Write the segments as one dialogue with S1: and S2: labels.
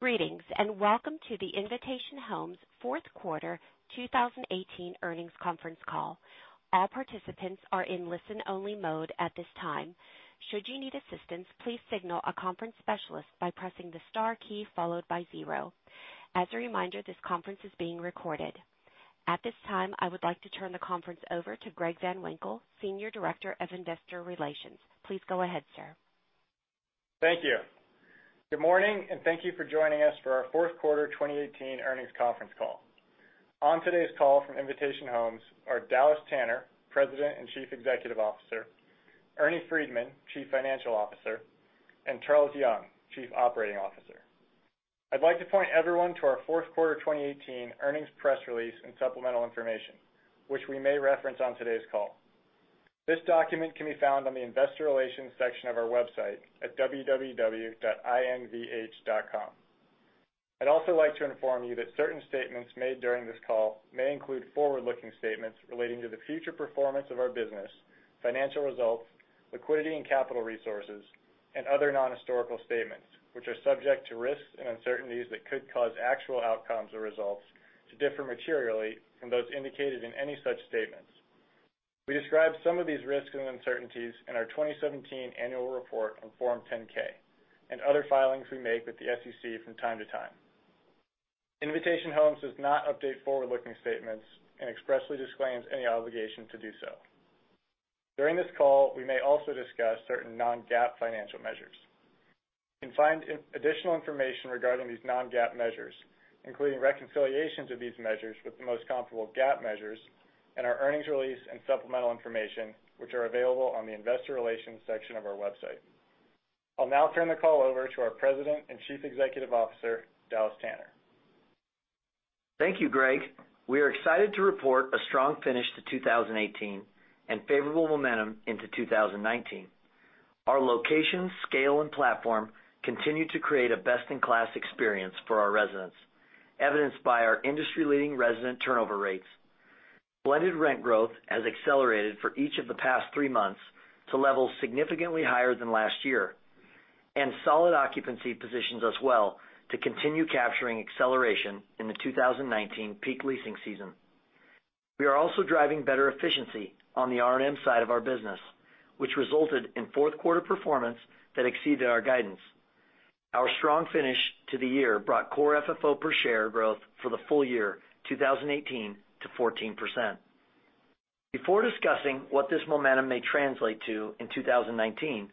S1: Greetings, welcome to the Invitation Homes fourth quarter 2018 earnings conference call. All participants are in listen-only mode at this time. Should you need assistance, please signal a conference specialist by pressing the star key followed by zero. As a reminder, this conference is being recorded. At this time, I would like to turn the conference over to Greg Van Winkle, Senior Director of Investor Relations. Please go ahead, sir.
S2: Thank you. Good morning, thank you for joining us for our fourth quarter 2018 earnings conference call. On today's call from Invitation Homes are Dallas Tanner, President and Chief Executive Officer, Ernie Freedman, Chief Financial Officer, and Charles Young, Chief Operating Officer. I'd like to point everyone to our fourth quarter 2018 earnings press release and supplemental information, which we may reference on today's call. This document can be found on the Investor Relations section of our website at www.invh.com. I'd also like to inform you that certain statements made during this call may include forward-looking statements relating to the future performance of our business, financial results, liquidity and capital resources, and other non-historical statements, which are subject to risks and uncertainties that could cause actual outcomes or results to differ materially from those indicated in any such statements. We describe some of these risks and uncertainties in our 2017 annual report on Form 10-K and other filings we make with the SEC from time to time. Invitation Homes does not update forward-looking statements and expressly disclaims any obligation to do so. During this call, we may also discuss certain non-GAAP financial measures. You can find additional information regarding these non-GAAP measures, including reconciliations of these measures with the most comparable GAAP measures in our earnings release and supplemental information, which are available on the Investor Relations section of our website. I'll now turn the call over to our President and Chief Executive Officer, Dallas Tanner.
S3: Thank you, Greg. We are excited to report a strong finish to 2018 and favorable momentum into 2019. Our location, scale, and platform continue to create a best-in-class experience for our residents, evidenced by our industry-leading resident turnover rates. Blended rent growth has accelerated for each of the past 3 months to levels significantly higher than last year, and solid occupancy positions us well to continue capturing acceleration in the 2019 peak leasing season. We are also driving better efficiency on the R&M side of our business, which resulted in fourth quarter performance that exceeded our guidance. Our strong finish to the year brought Core FFO per share growth for the full year 2018 to 14%. Before discussing what this momentum may translate to in 2019,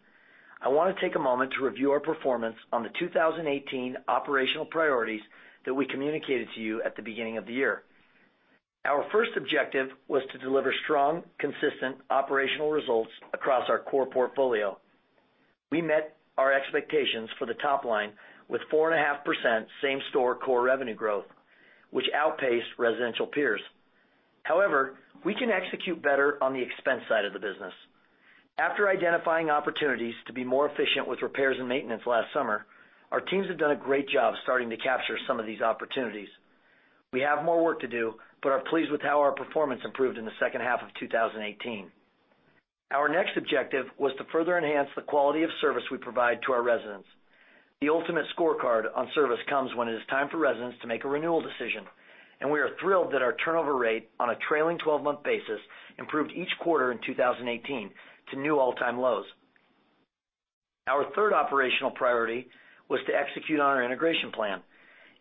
S3: I want to take a moment to review our performance on the 2018 operational priorities that we communicated to you at the beginning of the year. Our first objective was to deliver strong, consistent operational results across our core portfolio. We met our expectations for the top line with 4.5% same-store core revenue growth, which outpaced residential peers. However, we can execute better on the expense side of the business. After identifying opportunities to be more efficient with repairs and maintenance last summer, our teams have done a great job starting to capture some of these opportunities. We have more work to do, but are pleased with how our performance improved in the second half of 2018. Our next objective was to further enhance the quality of service we provide to our residents. The ultimate scorecard on service comes when it is time for residents to make a renewal decision, and we are thrilled that our turnover rate on a trailing 12-month basis improved each quarter in 2018 to new all-time lows. Our third operational priority was to execute on our integration plan.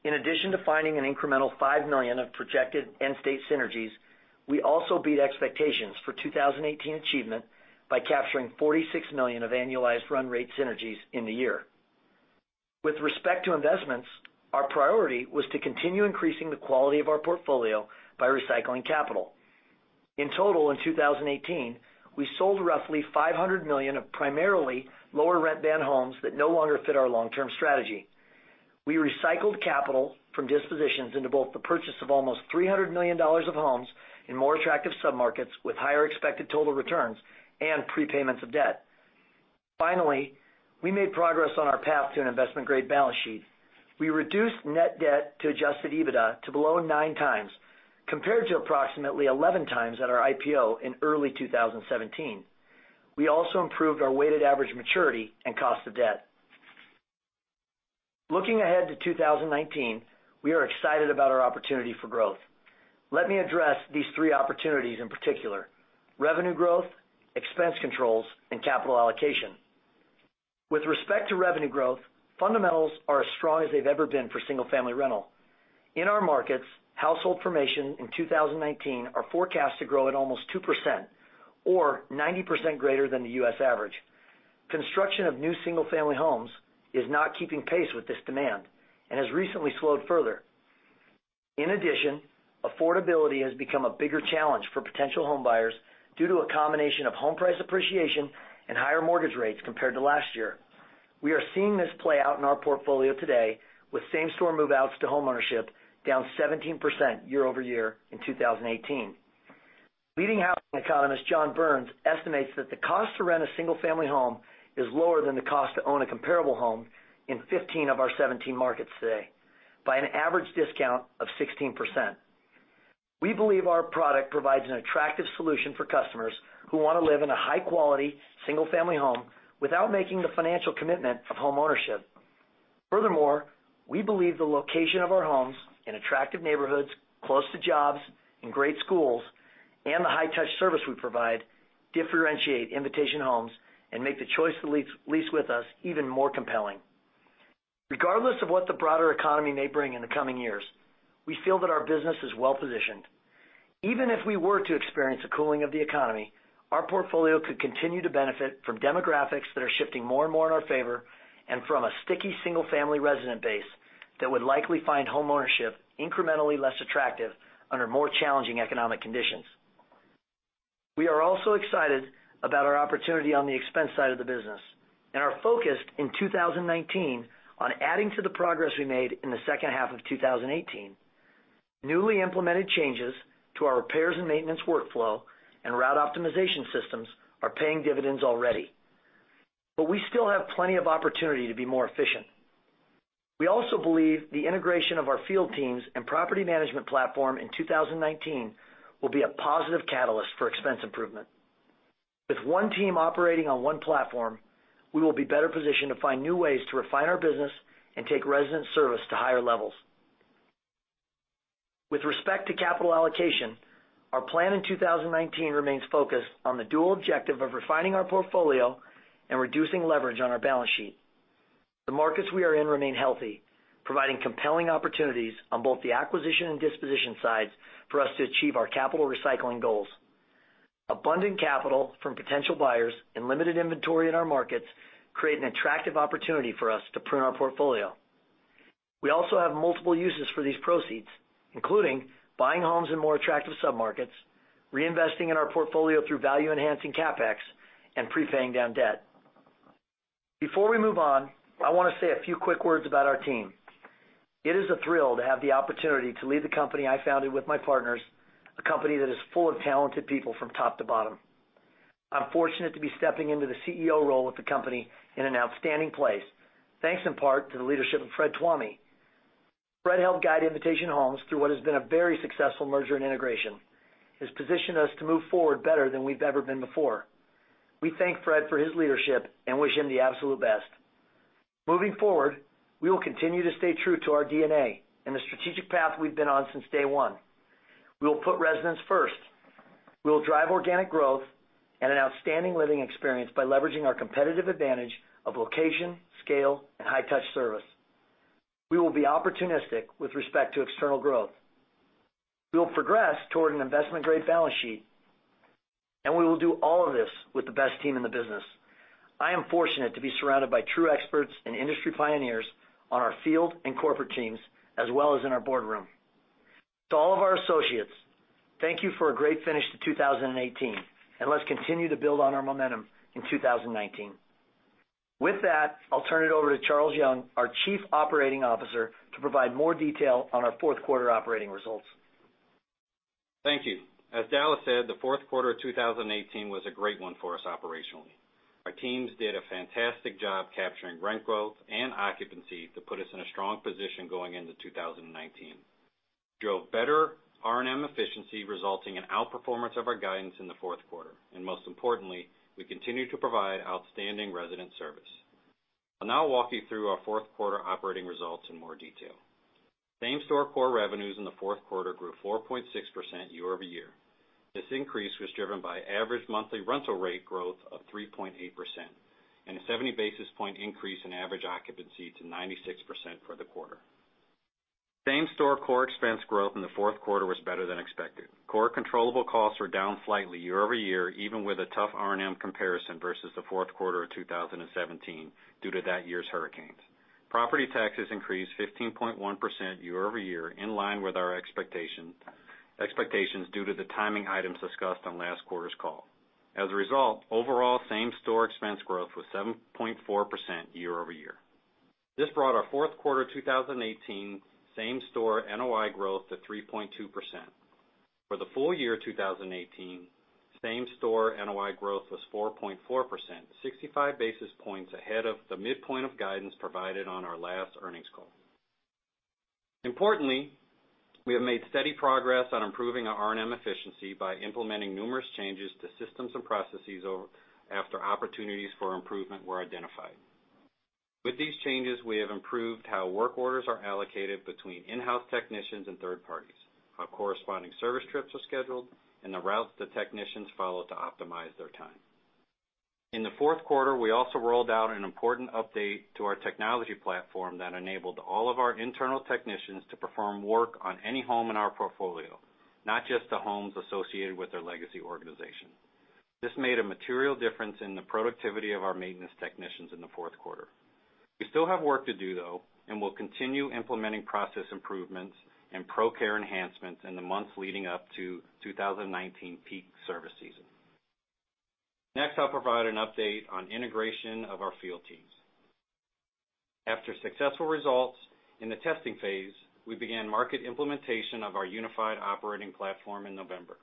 S3: In addition to finding an incremental $5 million of projected end-state synergies, we also beat expectations for 2018 achievement by capturing $46 million of annualized run rate synergies in the year. With respect to investments, our priority was to continue increasing the quality of our portfolio by recycling capital. In total, in 2018, we sold roughly $500 million of primarily lower rent band homes that no longer fit our long-term strategy. We recycled capital from dispositions into both the purchase of almost $300 million of homes in more attractive submarkets with higher expected total returns and prepayments of debt. Finally, we made progress on our path to an investment-grade balance sheet. We reduced net debt to adjusted EBITDA to below nine times, compared to approximately 11 times at our IPO in early 2017. We also improved our weighted average maturity and cost of debt. Looking ahead to 2019, we are excited about our opportunity for growth. Let me address these three opportunities in particular: revenue growth, expense controls, and capital allocation. With respect to revenue growth, fundamentals are as strong as they've ever been for single-family rental. In our markets, household formation in 2019 are forecast to grow at almost 2%, or 90% greater than the U.S. average. Construction of new single-family homes is not keeping pace with this demand and has recently slowed further. In addition, affordability has become a bigger challenge for potential home buyers due to a combination of home price appreciation and higher mortgage rates compared to last year. We are seeing this play out in our portfolio today with same-store move-outs to homeownership down 17% year-over-year in 2018. Leading housing economist, John Burns, estimates that the cost to rent a single-family home is lower than the cost to own a comparable home in 15 of our 17 markets today by an average discount of 16%. We believe our product provides an attractive solution for customers who want to live in a high-quality single-family home without making the financial commitment of homeownership. Furthermore, we believe the location of our homes in attractive neighborhoods, close to jobs and great schools, and the high-touch service we provide differentiate Invitation Homes and make the choice to lease with us even more compelling. Regardless of what the broader economy may bring in the coming years, we feel that our business is well-positioned. Even if we were to experience a cooling of the economy, our portfolio could continue to benefit from demographics that are shifting more and more in our favor, and from a sticky single-family resident base that would likely find homeownership incrementally less attractive under more challenging economic conditions. We are also excited about our opportunity on the expense side of the business and are focused in 2019 on adding to the progress we made in the second half of 2018. Newly implemented changes to our repairs and maintenance workflow and route optimization systems are paying dividends already. We still have plenty of opportunity to be more efficient. We also believe the integration of our field teams and property management platform in 2019 will be a positive catalyst for expense improvement. With one team operating on one platform, we will be better positioned to find new ways to refine our business and take resident service to higher levels. With respect to capital allocation, our plan in 2019 remains focused on the dual objective of refining our portfolio and reducing leverage on our balance sheet. The markets we are in remain healthy, providing compelling opportunities on both the acquisition and disposition sides for us to achieve our capital recycling goals. Abundant capital from potential buyers and limited inventory in our markets create an attractive opportunity for us to prune our portfolio. We also have multiple uses for these proceeds, including buying homes in more attractive submarkets, reinvesting in our portfolio through value-enhancing CapEx, and prepaying down debt. Before we move on, I want to say a few quick words about our team. It is a thrill to have the opportunity to lead the company I founded with my partners, a company that is full of talented people from top to bottom. I'm fortunate to be stepping into the CEO role with the company in an outstanding place, thanks in part to the leadership of Fred Tuomi. Fred helped guide Invitation Homes through what has been a very successful merger and integration. He's positioned us to move forward better than we've ever been before. We thank Fred for his leadership and wish him the absolute best. Moving forward, we will continue to stay true to our DNA and the strategic path we've been on since day one. We will put residents first. We will drive organic growth and an outstanding living experience by leveraging our competitive advantage of location, scale, and high-touch service. We will be opportunistic with respect to external growth. We will progress toward an investment-grade balance sheet. We will do all of this with the best team in the business. I am fortunate to be surrounded by true experts and industry pioneers on our field and corporate teams, as well as in our boardroom. To all of our associates, thank you for a great finish to 2018. Let's continue to build on our momentum in 2019. With that, I'll turn it over to Charles Young, our Chief Operating Officer, to provide more detail on our fourth quarter operating results.
S4: Thank you. As Dallas Tanner said, the fourth quarter of 2018 was a great one for us operationally. Our teams did a fantastic job capturing rent growth and occupancy to put us in a strong position going into 2019. Drove better R&M efficiency, resulting in outperformance of our guidance in the fourth quarter, and most importantly, we continue to provide outstanding resident service. I'll now walk you through our fourth quarter operating results in more detail. Same-store core revenues in the fourth quarter grew 4.6% year-over-year. This increase was driven by average monthly rental rate growth of 3.8% and a 70 basis point increase in average occupancy to 96% for the quarter. Same-store core expense growth in the fourth quarter was better than expected. Core controllable costs were down slightly year-over-year, even with a tough R&M comparison versus the fourth quarter of 2017 due to that year's hurricanes. Property taxes increased 15.1% year-over-year, in line with our expectations due to the timing items discussed on last quarter's call. As a result, overall same-store expense growth was 7.4% year-over-year. This brought our fourth quarter 2018 same-store NOI growth to 3.2%. For the full year 2018, same-store NOI growth was 4.4%, 65 basis points ahead of the midpoint of guidance provided on our last earnings call. Importantly, we have made steady progress on improving our R&M efficiency by implementing numerous changes to systems and processes after opportunities for improvement were identified. With these changes, we have improved how work orders are allocated between in-house technicians and third parties, how corresponding service trips are scheduled, and the routes the technicians follow to optimize their time. In the fourth quarter, we also rolled out an important update to our technology platform that enabled all of our internal technicians to perform work on any home in our portfolio, not just the homes associated with their legacy organization. This made a material difference in the productivity of our maintenance technicians in the fourth quarter. We still have work to do, though, and we'll continue implementing process improvements and ProCare enhancements in the months leading up to 2019 peak service season. Next, I'll provide an update on integration of our field teams. After successful results in the testing phase, we began market implementation of our unified operating platform in November.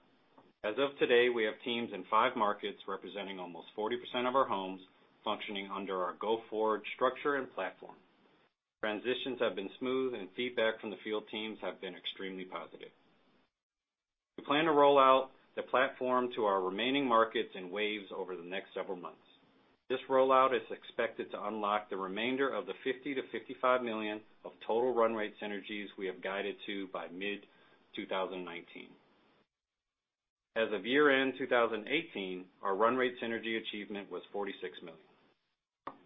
S4: As of today, we have teams in five markets representing almost 40% of our homes functioning under our go-forward structure and platform. Transitions have been smooth, and feedback from the field teams have been extremely positive. We plan to roll out the platform to our remaining markets in waves over the next several months. This rollout is expected to unlock the remainder of the $50 million-$55 million of total run rate synergies we have guided to by mid-2019. As of year-end 2018, our run rate synergy achievement was $46 million.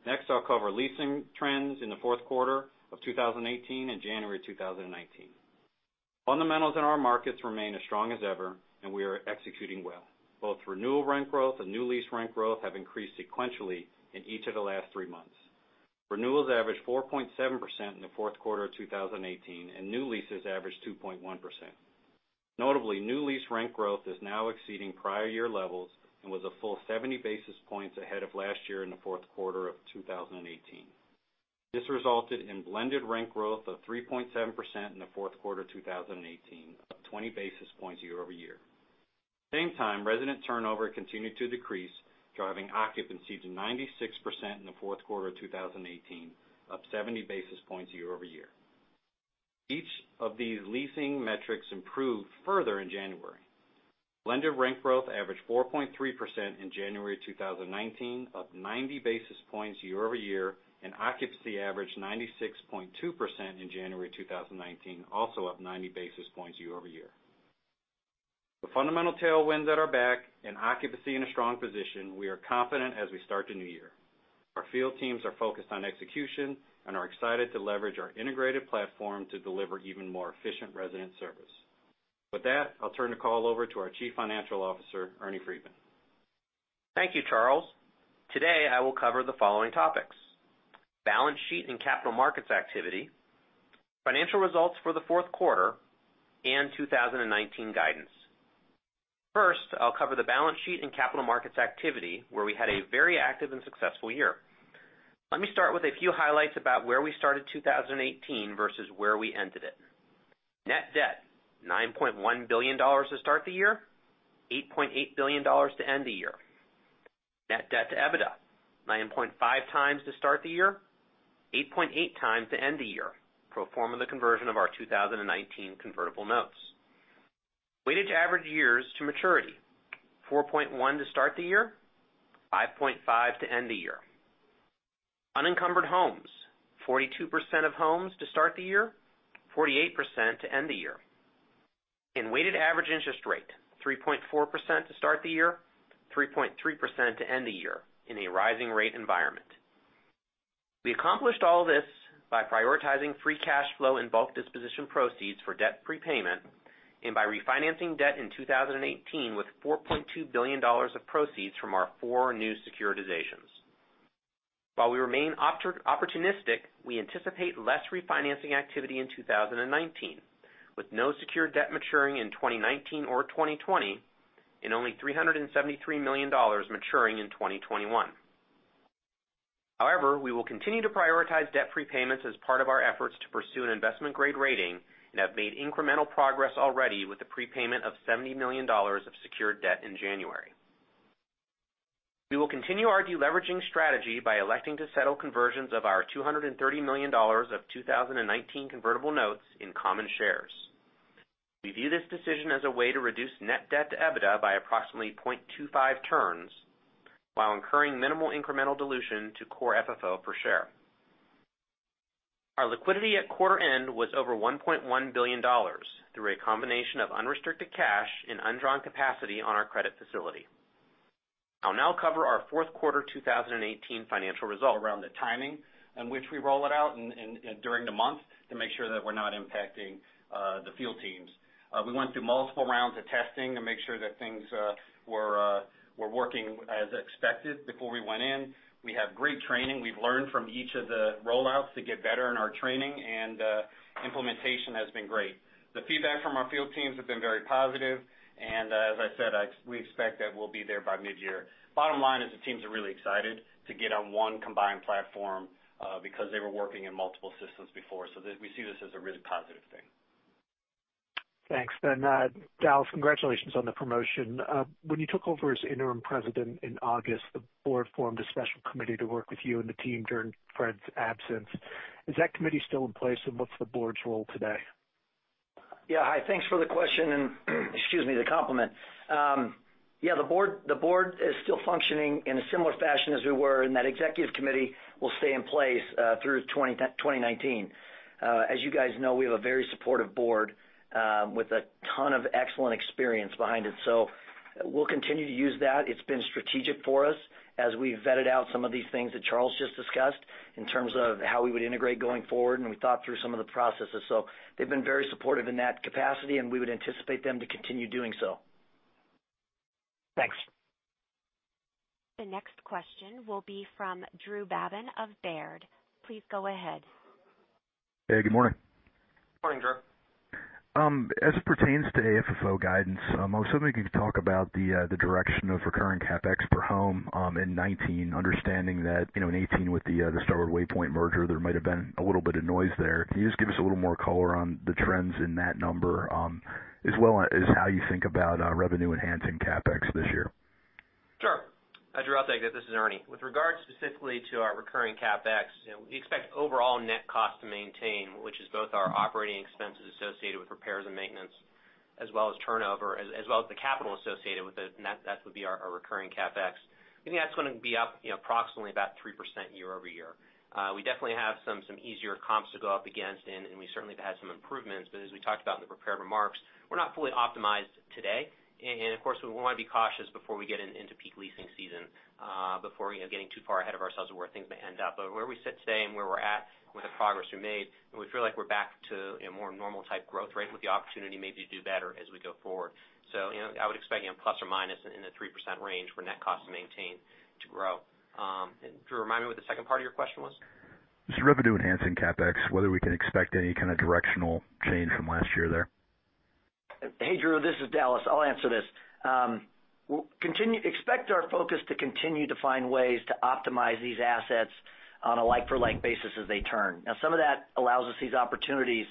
S4: Next, I'll cover leasing trends in the fourth quarter of 2018 and January 2019. Fundamentals in our markets remain as strong as ever, and we are executing well. Both renewal rent growth and new lease rent growth have increased sequentially in each of the last three months. Renewals averaged 4.7% in the fourth quarter of 2018, and new leases averaged 2.1%. Notably, new lease rent growth is now exceeding prior year levels and was a full 70 basis points ahead of last year in the fourth quarter of 2018. This resulted in blended rent growth of 3.7% in the fourth quarter 2018, up 20 basis points year-over-year. Same time, resident turnover continued to decrease, driving occupancy to 96% in the fourth quarter 2018, up 70 basis points year-over-year. Each of these leasing metrics improved further in January. Blended rent growth averaged 4.3% in January 2019, up 90 basis points year-over-year, and occupancy averaged 96.2% in January 2019, also up 90 basis points year-over-year. With fundamental tailwinds at our back and occupancy in a strong position, we are confident as we start the new year. Our field teams are focused on execution and are excited to leverage our integrated platform to deliver even more efficient resident service. With that, I'll turn the call over to our Chief Financial Officer, Ernie Freedman.
S5: Thank you, Charles. Today, I will cover the following topics: balance sheet and capital markets activity, financial results for the fourth quarter, and 2019 guidance. First, I'll cover the balance sheet and capital markets activity, where we had a very active and successful year. Let me start with a few highlights about where we started 2018 versus where we ended it. Net debt, $9.1 billion to start the year, $8.8 billion to end the year. Net debt to EBITDA, 9.5 times to start the year, 8.8 times to end the year, pro forma the conversion of our 2019 convertible notes. Weighted average years to maturity, 4.1 to start the year, 5.5 to end the year. Unencumbered homes, 42% of homes to start the year, 48% to end the year. Weighted average interest rate, 3.4% to start the year, 3.3% to end the year in a rising rate environment. We accomplished all this by prioritizing free cash flow and bulk disposition proceeds for debt prepayment and by refinancing debt in 2018 with $4.2 billion of proceeds from our four new securitizations. While we remain opportunistic, we anticipate less refinancing activity in 2019, with no secured debt maturing in 2019 or 2020 and only $373 million maturing in 2021. However, we will continue to prioritize debt prepayments as part of our efforts to pursue an investment-grade rating and have made incremental progress already with the prepayment of $70 million of secured debt in January. We will continue our de-leveraging strategy by electing to settle conversions of our $230 million of 2019 convertible notes in common shares. We view this decision as a way to reduce net debt to EBITDA by approximately 0.25 turns while incurring minimal incremental dilution to Core FFO per share. Our liquidity at quarter end was over $1.1 billion through a combination of unrestricted cash and undrawn capacity on our credit facility. I'll now cover our fourth quarter 2018 financial result. Around the timing in which we roll it out during the month to make sure that we're not impacting the field teams. We went through multiple rounds of testing to make sure that things were working as expected before we went in. We have great training. We've learned from each of the rollouts to get better in our training, and implementation has been great. The feedback from our field teams have been very positive, and as I said, we expect that we'll be there by mid-year. Bottom line is the teams are really excited to get on one combined platform because they were working in multiple systems before. We see this as a really positive thing.
S6: Thanks. Dallas, congratulations on the promotion. When you took over as interim president in August, the board formed a special committee to work with you and the team during Fred's absence. Is that committee still in place, and what's the board's role today?
S3: Hi. Thanks for the question and, excuse me, the compliment. The board is still functioning in a similar fashion as we were, and that executive committee will stay in place through 2019. As you guys know, we have a very supportive board with a ton of excellent experience behind it, so we'll continue to use that. It's been strategic for us as we vetted out some of these things that Charles just discussed in terms of how we would integrate going forward, and we thought through some of the processes. They've been very supportive in that capacity, and we would anticipate them to continue doing so.
S6: Thanks.
S1: The next question will be from Drew Babin of Baird. Please go ahead.
S7: Hey, good morning.
S4: Morning, Drew.
S7: As it pertains to AFFO guidance, I was hoping you could talk about the direction of recurring CapEx per home in 2019, understanding that in 2018 with the Starwood Waypoint merger, there might've been a little bit of noise there. Can you just give us a little more color on the trends in that number as well as how you think about revenue enhancing CapEx this year?
S5: This is Ernie. With regard specifically to our recurring CapEx, we expect overall net cost to maintain, which is both our operating expenses associated with repairs and maintenance, as well as turnover, as well as the capital associated with it, and that would be our recurring CapEx. I think that's going to be up approximately about 3% year-over-year. We definitely have some easier comps to go up against, and we certainly have had some improvements. As we talked about in the prepared remarks, we're not fully optimized today. Of course, we want to be cautious before we get into peak leasing season, before getting too far ahead of ourselves of where things may end up. Where we sit today and where we're at with the progress we made, and we feel like we're back to a more normal type growth rate with the opportunity maybe to do better as we go forward. I would expect plus or minus in the 3% range for net cost to maintain to grow. Drew, remind me what the second part of your question was.
S7: Just revenue enhancing CapEx, whether we can expect any kind of directional change from last year there.
S3: Hey, Drew, this is Dallas. I'll answer this. Expect our focus to continue to find ways to optimize these assets on a like-for-like basis as they turn. Now, some of that allows us these opportunities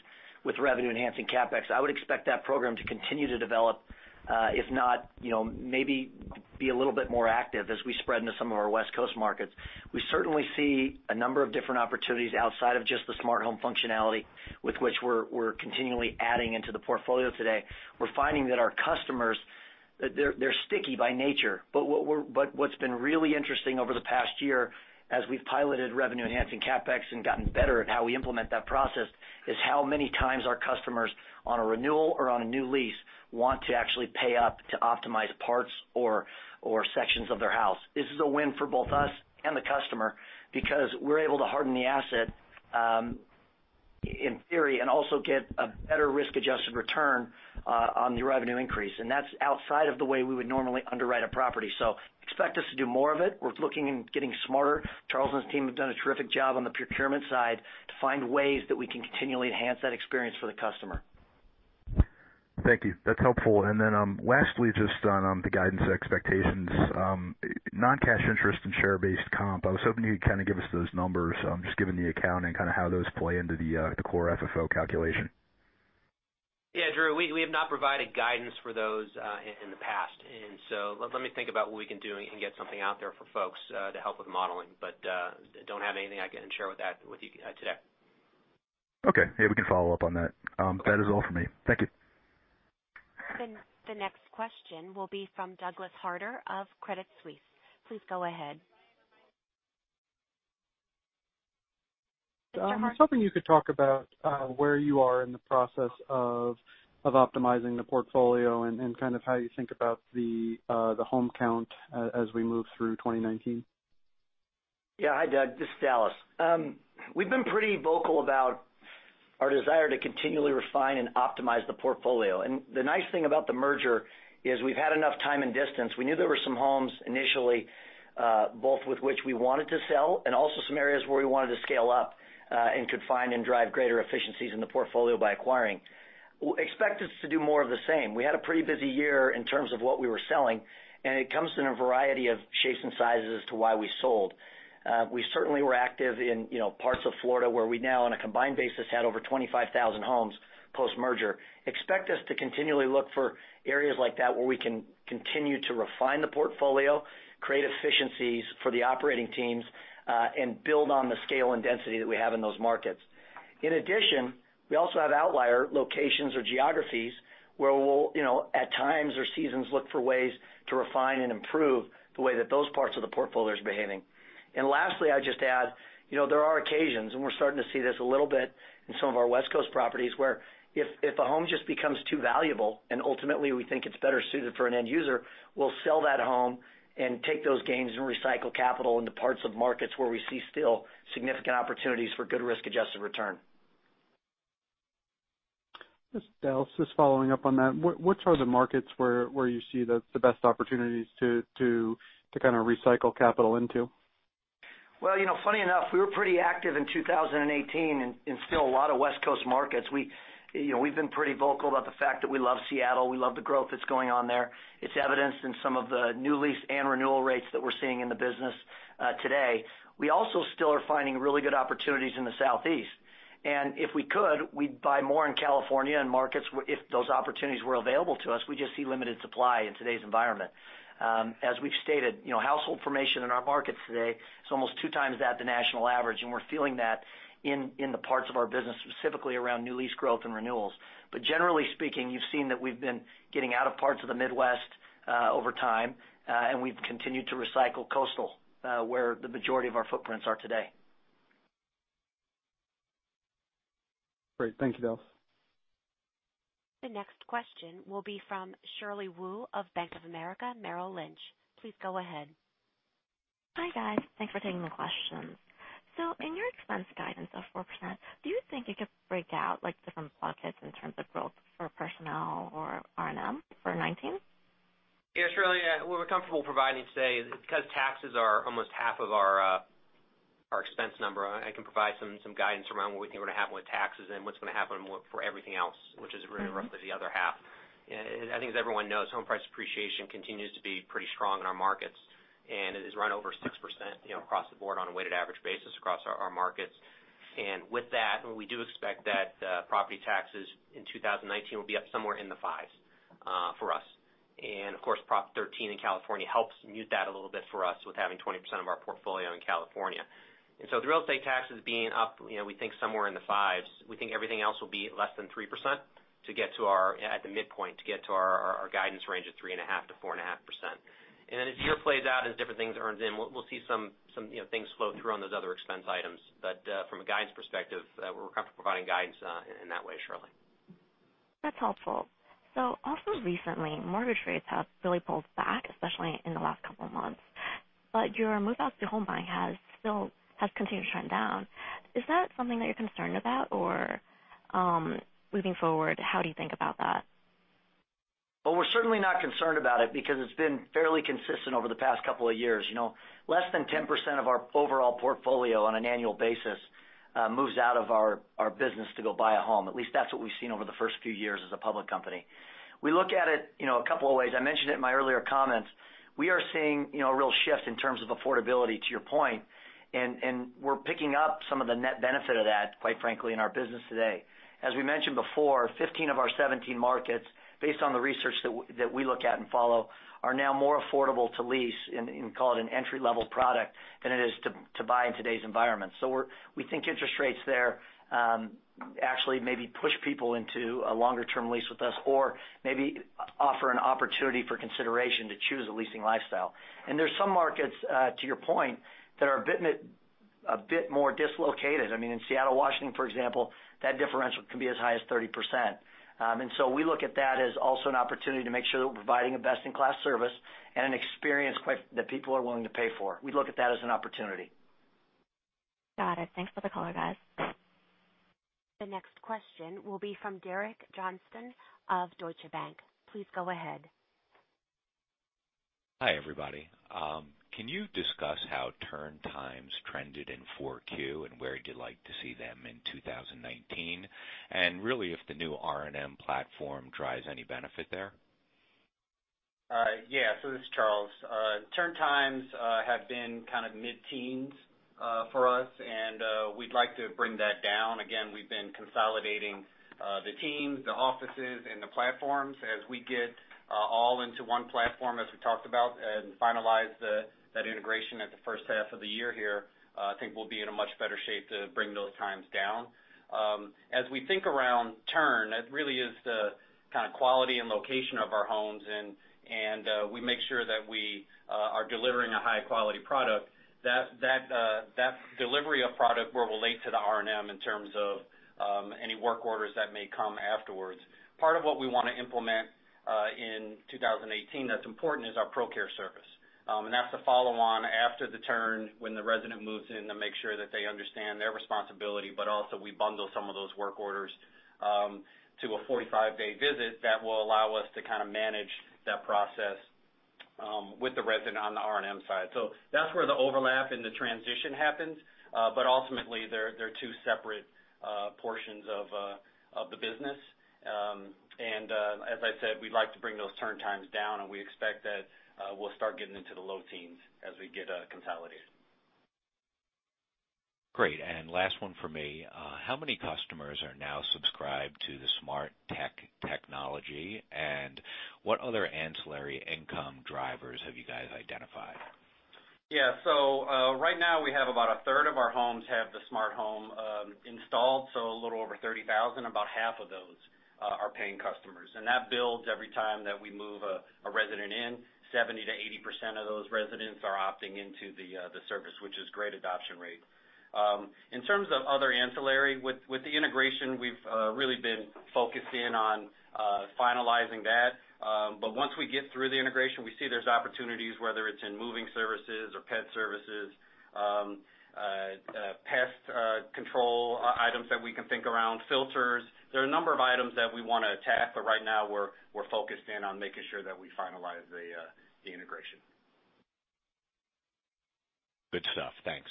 S3: with revenue-enhancing CapEx. I would expect that program to continue to develop, if not, maybe be a little bit more active as we spread into some of our West Coast markets. We certainly see a number of different opportunities outside of just the smart home functionality with which we're continually adding into the portfolio today. We're finding that our customers, they're sticky by nature. What's been really interesting over the past year, as we've piloted revenue-enhancing CapEx and gotten better at how we implement that process, is how many times our customers, on a renewal or on a new lease, want to actually pay up to optimize parts or sections of their house. This is a win for both us and the customer because we're able to harden the asset, in theory, and also get a better risk-adjusted return on the revenue increase. That's outside of the way we would normally underwrite a property. Expect us to do more of it. We're looking and getting smarter. Charles and his team have done a terrific job on the procurement side to find ways that we can continually enhance that experience for the customer.
S7: Thank you. That's helpful. Lastly, just on the guidance expectations. Non-cash interest and share-based comp, I was hoping you'd kind of give us those numbers, just given the accounting, kind of how those play into the Core FFO calculation.
S5: Yeah, Drew, we have not provided guidance for those in the past. Let me think about what we can do and get something out there for folks to help with modeling. Don't have anything I can share with you today.
S7: Okay. Yeah, we can follow up on that. That is all for me. Thank you.
S1: The next question will be from Douglas Harter of Credit Suisse. Please go ahead.
S8: I was hoping you could talk about where you are in the process of optimizing the portfolio and kind of how you think about the home count as we move through 2019.
S3: Yeah. Hi, Doug. This is Dallas. We've been pretty vocal about our desire to continually refine and optimize the portfolio. The nice thing about the merger is we've had enough time and distance. We knew there were some homes initially, both with which we wanted to sell, also some areas where we wanted to scale up, could find and drive greater efficiencies in the portfolio by acquiring. Expect us to do more of the same. We had a pretty busy year in terms of what we were selling, it comes in a variety of shapes and sizes to why we sold. We certainly were active in parts of Florida, where we now, on a combined basis, had over 25,000 homes post-merger. Expect us to continually look for areas like that where we can continue to refine the portfolio, create efficiencies for the operating teams, build on the scale and density that we have in those markets. In addition, we also have outlier locations or geographies where we'll, at times or seasons, look for ways to refine and improve the way that those parts of the portfolio is behaving. Lastly, I'd just add, there are occasions, we're starting to see this a little bit in some of our West Coast properties, where if a home just becomes too valuable, ultimately, we think it's better suited for an end user, we'll sell that home and take those gains and recycle capital into parts of markets where we see still significant opportunities for good risk-adjusted return.
S8: Dallas, just following up on that. What are the markets where you see the best opportunities to kind of recycle capital into?
S3: Well, funny enough, we were pretty active in 2018 in still a lot of West Coast markets. We've been pretty vocal about the fact that we love Seattle. We love the growth that's going on there. It's evidenced in some of the new lease and renewal rates that we're seeing in the business today. We also still are finding really good opportunities in the Southeast. If we could, we'd buy more in California and markets if those opportunities were available to us. We just see limited supply in today's environment. As we've stated, household formation in our markets today is almost two times that the national average, and we're feeling that in the parts of our business, specifically around new lease growth and renewals. Generally speaking, you've seen that we've been getting out of parts of the Midwest over time, and we've continued to recycle coastal, where the majority of our footprints are today.
S8: Great. Thank you, Dallas.
S1: The next question will be from Shirley Wu of Bank of America Merrill Lynch. Please go ahead.
S9: Hi, guys. Thanks for taking the questions. In your expense guidance of 4%, do you think you could break out different buckets in terms of growth for personnel or R&M for 2019?
S5: Yeah, Shirley. What we're comfortable providing today, because taxes are almost half of our expense number, I can provide some guidance around what we think would happen with taxes and what's going to happen for everything else, which is really roughly the other half. I think as everyone knows, home price appreciation continues to be pretty strong in our markets, and it has run over. Across the board on a weighted average basis across our markets. With that, we do expect that property taxes in 2019 will be up somewhere in the fives for us. Of course, Proposition 13 in California helps mute that a little bit for us with having 20% of our portfolio in California. The real estate taxes being up, we think somewhere in the fives, we think everything else will be less than 3% at the midpoint to get to our guidance range of 3.5%-4.5%. As the year plays out and as different things earn in, we'll see some things flow through on those other expense items. From a guidance perspective, we're comfortable providing guidance in that way, Shirley.
S9: Also recently, mortgage rates have really pulled back, especially in the last couple of months. Your move-out to home buying has continued to trend down. Is that something that you're concerned about? Moving forward, how do you think about that?
S3: We're certainly not concerned about it because it's been fairly consistent over the past couple of years. Less than 10% of our overall portfolio on an annual basis moves out of our business to go buy a home. At least that's what we've seen over the first few years as a public company. We look at it a couple of ways. I mentioned it in my earlier comments. We are seeing a real shift in terms of affordability, to your point, and we're picking up some of the net benefit of that, quite frankly, in our business today. As we mentioned before, 15 of our 17 markets, based on the research that we look at and follow, are now more affordable to lease in, call it, an entry-level product, than it is to buy in today's environment. We think interest rates there actually maybe push people into a longer-term lease with us or maybe offer an opportunity for consideration to choose a leasing lifestyle. There's some markets, to your point, that are a bit more dislocated. In Seattle, Washington, for example, that differential can be as high as 30%. We look at that as also an opportunity to make sure that we're providing a best-in-class service and an experience that people are willing to pay for. We look at that as an opportunity.
S9: Got it. Thanks for the color, guys.
S1: The next question will be from Derek Johnston of Deutsche Bank. Please go ahead.
S10: Hi, everybody. Can you discuss how turn times trended in 4Q, and where you'd like to see them in 2019? Really if the new R&M platform drives any benefit there?
S4: This is Charles. Turn times have been kind of mid-teens for us, and we'd like to bring that down. Again, we've been consolidating the teams, the offices, and the platforms. As we get all into one platform, as we talked about, and finalize that integration at the first half of the year here, I think we'll be in a much better shape to bring those times down. As we think around turn, it really is the kind of quality and location of our homes, and we make sure that we are delivering a high-quality product. That delivery of product will relate to the R&M in terms of any work orders that may come afterwards. Part of what we want to implement in 2018 that's important is our ProCare service. That's the follow-on after the turn when the resident moves in to make sure that they understand their responsibility, but also we bundle some of those work orders to a 45-day visit that will allow us to kind of manage that process with the resident on the R&M side. That's where the overlap and the transition happens. Ultimately, they're two separate portions of the business. As I said, we'd like to bring those turn times down, and we expect that we'll start getting into the low teens as we get consolidated.
S10: Great. Last one from me. How many customers are now subscribed to the Smart Tech technology? What other ancillary income drivers have you guys identified?
S4: Yeah. Right now, we have about a third of our homes have the smart home installed, so a little over 30,000. About half of those are paying customers. That builds every time that we move a resident in. 70%-80% of those residents are opting into the service, which is great adoption rate. In terms of other ancillary, with the integration, we've really been focused in on finalizing that. Once we get through the integration, we see there's opportunities, whether it's in moving services or pet services, pest control items that we can think around, filters. There are a number of items that we want to attack, but right now we're focused in on making sure that we finalize the integration.
S10: Good stuff. Thanks.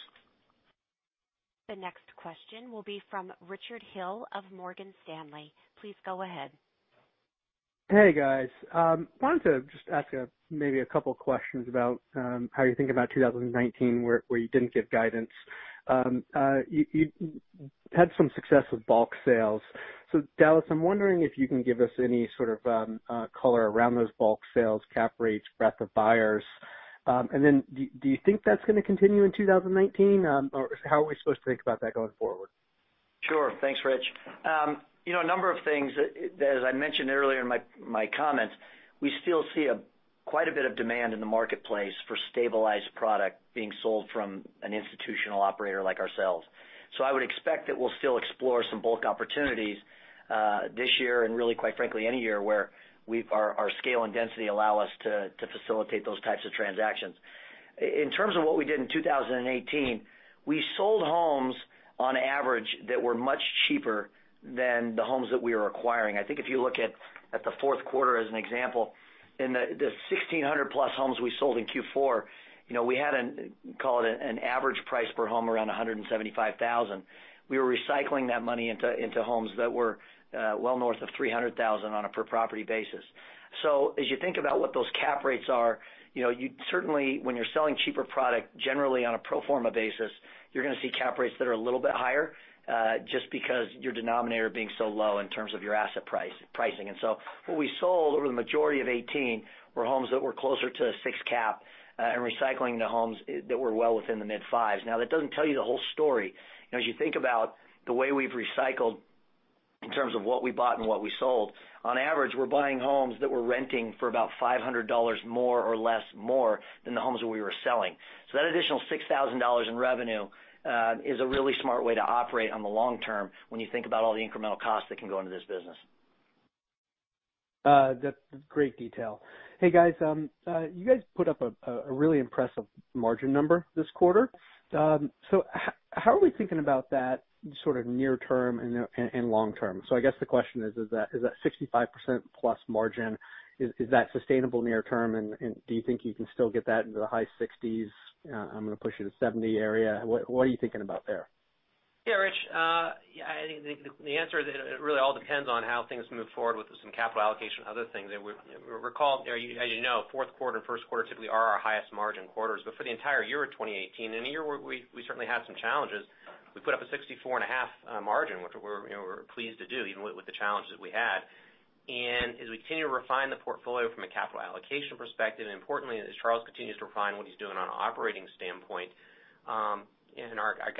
S1: The next question will be from Richard Hill of Morgan Stanley. Please go ahead.
S11: Hey, guys. Wanted to just ask maybe a couple questions about how you think about 2019, where you didn't give guidance. You've had some success with bulk sales. Dallas, I'm wondering if you can give us any sort of color around those bulk sales, cap rates, breadth of buyers. Do you think that's going to continue in 2019? How are we supposed to think about that going forward?
S3: Sure. Thanks, Rich. A number of things. As I mentioned earlier in my comments, we still see quite a bit of demand in the marketplace for stabilized product being sold from an institutional operator like ourselves. I would expect that we'll still explore some bulk opportunities this year and really, quite frankly, any year where our scale and density allow us to facilitate those types of transactions. In terms of what we did in 2018, we sold homes on average that were much cheaper than the homes that we were acquiring. I think if you look at the fourth quarter as an example, in the 1,600-plus homes we sold in Q4, we had, call it, an average price per home around $175,000. We were recycling that money into homes that were well north of $300,000 on a per-property basis. What those cap rates are. Certainly, when you're selling cheaper product, generally on a pro forma basis, you're going to see cap rates that are a little bit higher, just because your denominator being so low in terms of your asset pricing. What we sold over the majority of 2018 were homes that were closer to a six cap, and recycling the homes that were well within the mid-fives. That doesn't tell you the whole story. As you think about the way we've recycled in terms of what we bought and what we sold, on average, we're buying homes that we're renting for about $500 more or less more than the homes that we were selling. That additional $6,000 in revenue is a really smart way to operate on the long term when you think about all the incremental costs that can go into this business.
S11: That's great detail. Hey, guys. You guys put up a really impressive margin number this quarter. How are we thinking about that sort of near term and long term? I guess the question is that 65% plus margin, is that sustainable near term, and do you think you can still get that into the high 60s? I'm going to push you to 70 area. What are you thinking about there?
S5: Rich, I think the answer is, it really all depends on how things move forward with some capital allocation and other things. As you know, fourth quarter and first quarter typically are our highest margin quarters. For the entire year of 2018, in a year where we certainly had some challenges, we put up a 64.5% margin, which we're pleased to do even with the challenges that we had. As we continue to refine the portfolio from a capital allocation perspective, and importantly, as Charles continues to refine what he's doing on an operating standpoint, our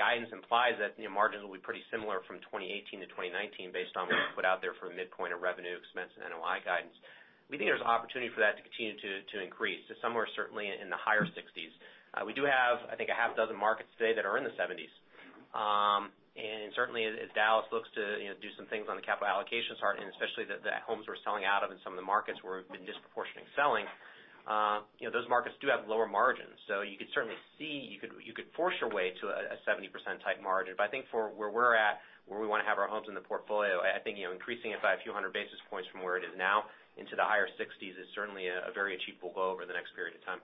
S5: guidance implies that margins will be pretty similar from 2018 to 2019 based on what we put out there for the midpoint of revenue expense and NOI guidance. We think there's opportunity for that to continue to increase, to somewhere certainly in the higher 60s. We do have, I think, a half dozen markets today that are in the 70s. Certainly as Dallas looks to do some things on the capital allocation part, and especially the homes we're selling out of and some of the markets where we've been disproportionately selling, those markets do have lower margins. You could certainly see, you could force your way to a 70% type margin. I think for where we're at, where we want to have our homes in the portfolio, I think increasing it by a few hundred basis points from where it is now into the higher 60s is certainly a very achievable goal over the next period of time.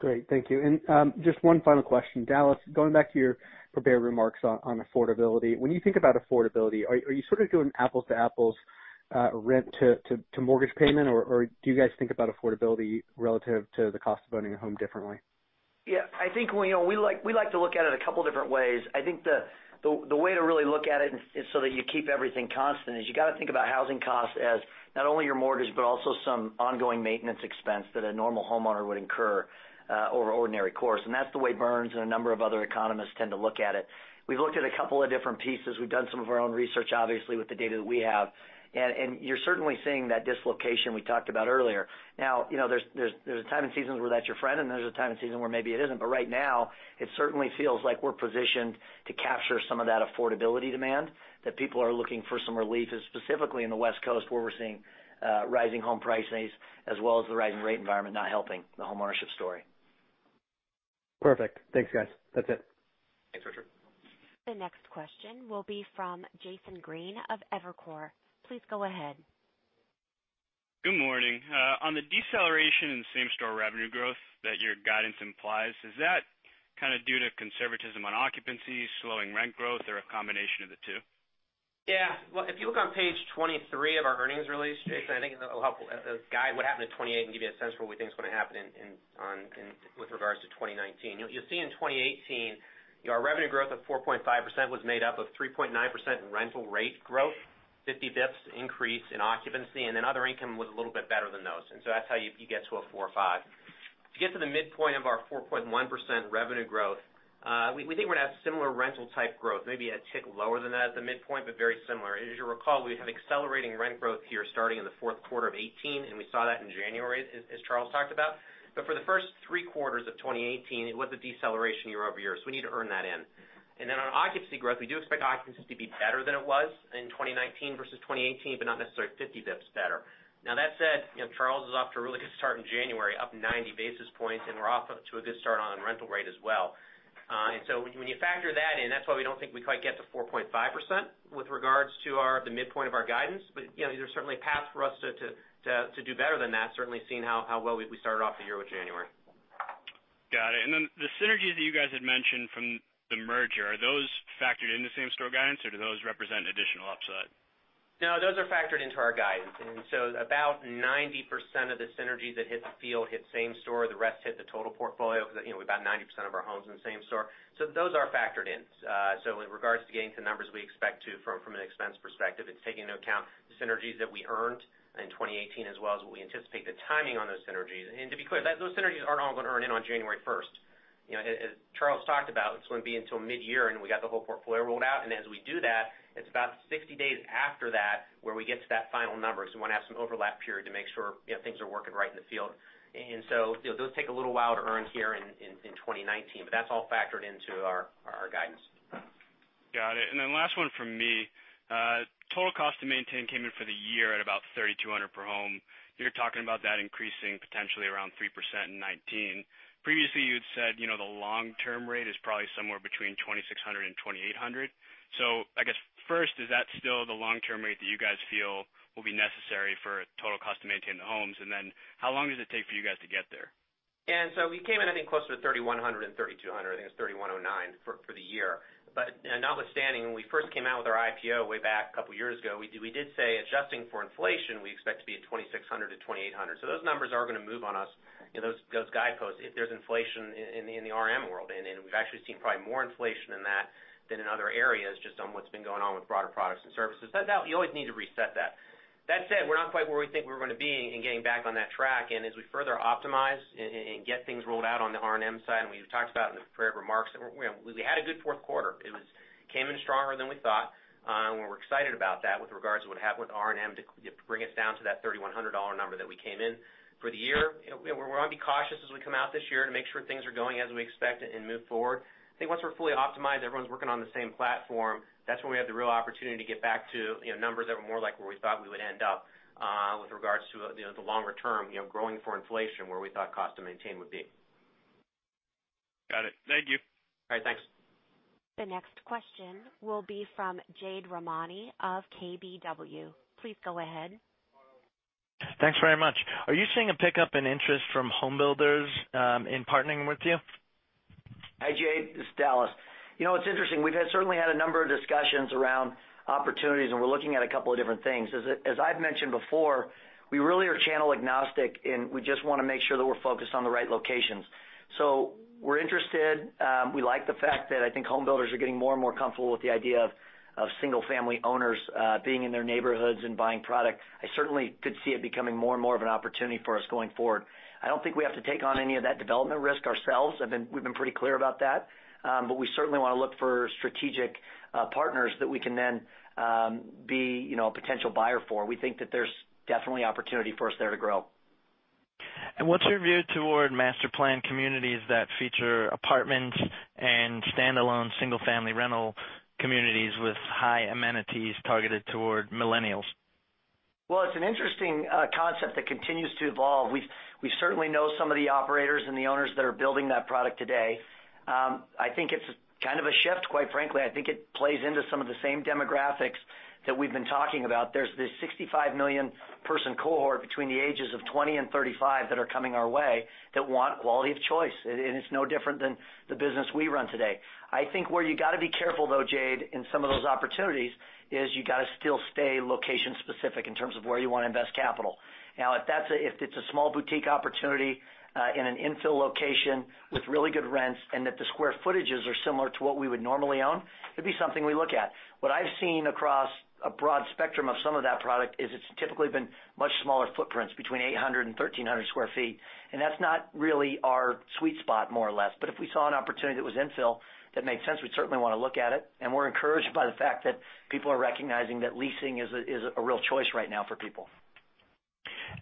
S11: Great. Thank you. Just one final question. Dallas, going back to your prepared remarks on affordability. When you think about affordability, are you sort of doing apples to apples rent to mortgage payment, or do you guys think about affordability relative to the cost of owning a home differently?
S3: I think we like to look at it a couple different ways. I think the way to really look at it is so that you keep everything constant, is you got to think about housing costs as not only your mortgage, but also some ongoing maintenance expense that a normal homeowner would incur over ordinary course. That's the way Burns and a number of other economists tend to look at it. We've looked at a couple of different pieces. We've done some of our own research, obviously, with the data that we have. You're certainly seeing that dislocation we talked about earlier. There's a time and season where that's your friend, and there's a time and season where maybe it isn't. Right now, it certainly feels like we're positioned to capture some of that affordability demand, that people are looking for some relief, specifically in the West Coast, where we're seeing rising home prices as well as the rising rate environment not helping the home ownership story.
S11: Perfect. Thanks, guys. That's it.
S5: Thanks, Richard.
S1: The next question will be from Jason Green of Evercore. Please go ahead.
S12: Good morning. On the deceleration in same-store revenue growth that your guidance implies, is that kind of due to conservatism on occupancy, slowing rent growth, or a combination of the two?
S5: Well, if you look on page 23 of our earnings release, Jason, I think it'll help guide what happened at 2018 and give you a sense for what we think is going to happen with regards to 2019. You'll see in 2018, our revenue growth of 4.5% was made up of 3.9% in rental rate growth, 50 basis points increase in occupancy, and then other income was a little bit better than those. That's how you get to a 4.5%. To get to the midpoint of our 4.1% revenue growth, we think we're going to have similar rental type growth, maybe a tick lower than that at the midpoint, but very similar. As you recall, we have accelerating rent growth here starting in the fourth quarter of 2018, and we saw that in January, as Charles talked about. For the first three quarters of 2018, it was a deceleration year-over-year. We need to earn that in. On occupancy growth, we do expect occupancy to be better than it was in 2019 versus 2018, but not necessarily 50 basis points better. Now, that said, Charles is off to a really good start in January, up 90 basis points, and we're off to a good start on rental rate as well. When you factor that in, that's why we don't think we quite get to 4.5% with regards to the midpoint of our guidance. There's certainly a path for us to do better than that, certainly seeing how well we started off the year with January.
S12: Got it. The synergies that you guys had mentioned from the merger, are those factored into same-store guidance, or do those represent additional upside?
S5: No, those are factored into our guidance. About 90% of the synergies that hit the field hit same-store, the rest hit the total portfolio because we've got 90% of our homes in same-store. Those are factored in. In regards to getting to numbers we expect to from an expense perspective, it's taking into account the synergies that we earned in 2018 as well as what we anticipate the timing on those synergies. To be clear, those synergies aren't all going to earn in on January 1st. As Charles talked about, it's going to be until mid-year, and we got the whole portfolio rolled out. As we do that, it's about 60 days after that where we get to that final number. We want to have some overlap period to make sure things are working right in the field. Those take a little while to earn here in 2019, but that's all factored into our guidance.
S12: Got it. Last one from me. Total cost to maintain came in for the year at about $3,200 per home. You're talking about that increasing potentially around 3% in 2019. Previously, you'd said the long-term rate is probably somewhere between $2,600 and $2,800. I guess first, is that still the long-term rate that you guys feel will be necessary for total cost to maintain the homes? How long does it take for you guys to get there?
S5: We came in, I think, closer to $3,100 and $3,200. I think it was $3,109 for the year. Notwithstanding, when we first came out with our IPO way back a couple of years ago, we did say, adjusting for inflation, we expect to be at $2,600-$2,800. Those numbers are going to move on us, those guideposts, if there's inflation in the R&M world. We've actually seen probably more inflation in that than in other areas, just on what's been going on with broader products and services. You always need to reset that. That said, we're not quite where we think we're going to be in getting back on that track. As we further optimize and get things rolled out on the R&M side, and we've talked about in the prepared remarks that we had a good fourth quarter. It came in stronger than we thought. We're excited about that with regards to what happened with R&M to bring us down to that $3,100 number that we came in for the year. We want to be cautious as we come out this year to make sure things are going as we expect and move forward. I think once we're fully optimized, everyone's working on the same platform, that's when we have the real opportunity to get back to numbers that were more like where we thought we would end up, with regards to the longer term, growing for inflation, where we thought cost to maintain would be.
S12: Got it. Thank you.
S5: All right. Thanks.
S1: The next question will be from Jade Rahmani of KBW. Please go ahead.
S13: Thanks very much. Are you seeing a pickup in interest from home builders in partnering with you?
S3: Hi, Jade, this is Dallas. It's interesting. We've certainly had a number of discussions around opportunities, and we're looking at a couple of different things. As I've mentioned before, we really are channel agnostic, and we just want to make sure that we're focused on the right locations. We're interested. We like the fact that I think home builders are getting more and more comfortable with the idea of single-family owners being in their neighborhoods and buying product. I certainly could see it becoming more and more of an opportunity for us going forward. I don't think we have to take on any of that development risk ourselves. We've been pretty clear about that. We certainly want to look for strategic partners that we can then be a potential buyer for. We think that there's definitely opportunity for us there to grow.
S13: What's your view toward master-planned communities that feature apartments and standalone single-family rental communities with high amenities targeted toward millennials?
S3: Well, it's an interesting concept that continues to evolve. We certainly know some of the operators and the owners that are building that product today. I think it's kind of a shift, quite frankly. I think it plays into some of the same demographics that we've been talking about. There's this 65 million person cohort between the ages of 20 and 35 that are coming our way that want quality of choice, and it's no different than the business we run today. I think where you got to be careful, though, Jade, in some of those opportunities, is you got to still stay location specific in terms of where you want to invest capital. Now, if it's a small boutique opportunity in an infill location with really good rents and that the square footages are similar to what we would normally own, it'd be something we look at. What I've seen across a broad spectrum of some of that product is it's typically been much smaller footprints, between 800 and 1,300 sq ft, that's not really our sweet spot, more or less. If we saw an opportunity that was infill that made sense, we'd certainly want to look at it. We're encouraged by the fact that people are recognizing that leasing is a real choice right now for people.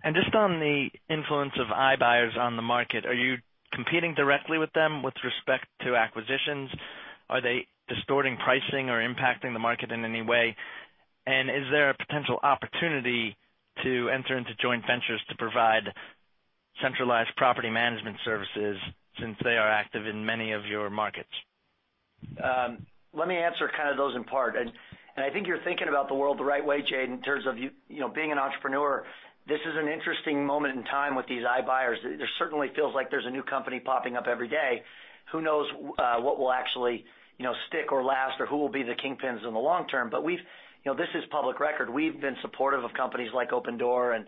S13: Just on the influence of iBuyers on the market, are you competing directly with them with respect to acquisitions? Are they distorting pricing or impacting the market in any way? Is there a potential opportunity to enter into joint ventures to provide centralized property management services since they are active in many of your markets?
S3: Let me answer kind of those in part. I think you're thinking about the world the right way, Jade, in terms of you being an entrepreneur. This is an interesting moment in time with these iBuyers. It certainly feels like there's a new company popping up every day. Who knows what will actually stick or last, or who will be the kingpins in the long term. But this is public record. We've been supportive of companies like Opendoor and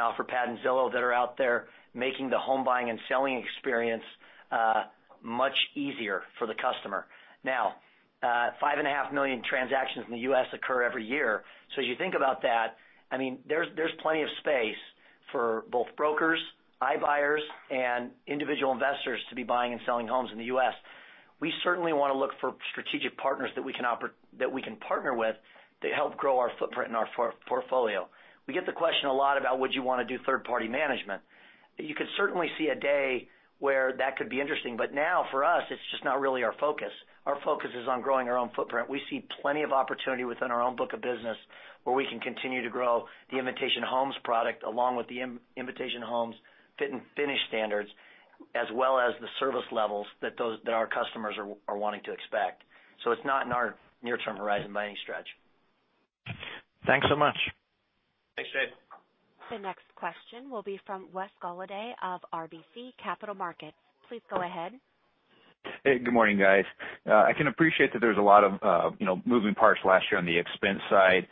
S3: Offerpad and Zillow that are out there making the home buying and selling experience much easier for the customer. Now, five and a half million transactions in the U.S. occur every year. As you think about that, there's plenty of space for both brokers, iBuyers, and individual investors to be buying and selling homes in the U.S. We certainly want to look for strategic partners that we can partner with to help grow our footprint and our portfolio. We get the question a lot about would you want to do third-party management. You could certainly see a day where that could be interesting. Now, for us, it's just not really our focus. Our focus is on growing our own footprint. We see plenty of opportunity within our own book of business where we can continue to grow the Invitation Homes product along with the Invitation Homes fit and finish standards, as well as the service levels that our customers are wanting to expect. It's not in our near-term horizon by any stretch.
S13: Thanks so much.
S5: Thanks, Jade.
S1: The next question will be from Wes Golladay of RBC Capital Markets. Please go ahead.
S14: Hey, good morning, guys. I can appreciate that there's a lot of moving parts last year on the expense side,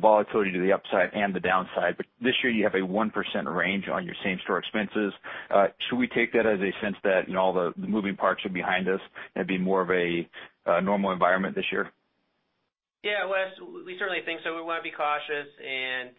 S14: volatility to the upside and the downside. This year, you have a 1% range on your same-store expenses. Should we take that as a sense that all the moving parts are behind us and it'd be more of a normal environment this year?
S5: Yeah, Wes, we certainly think so. We want to be cautious,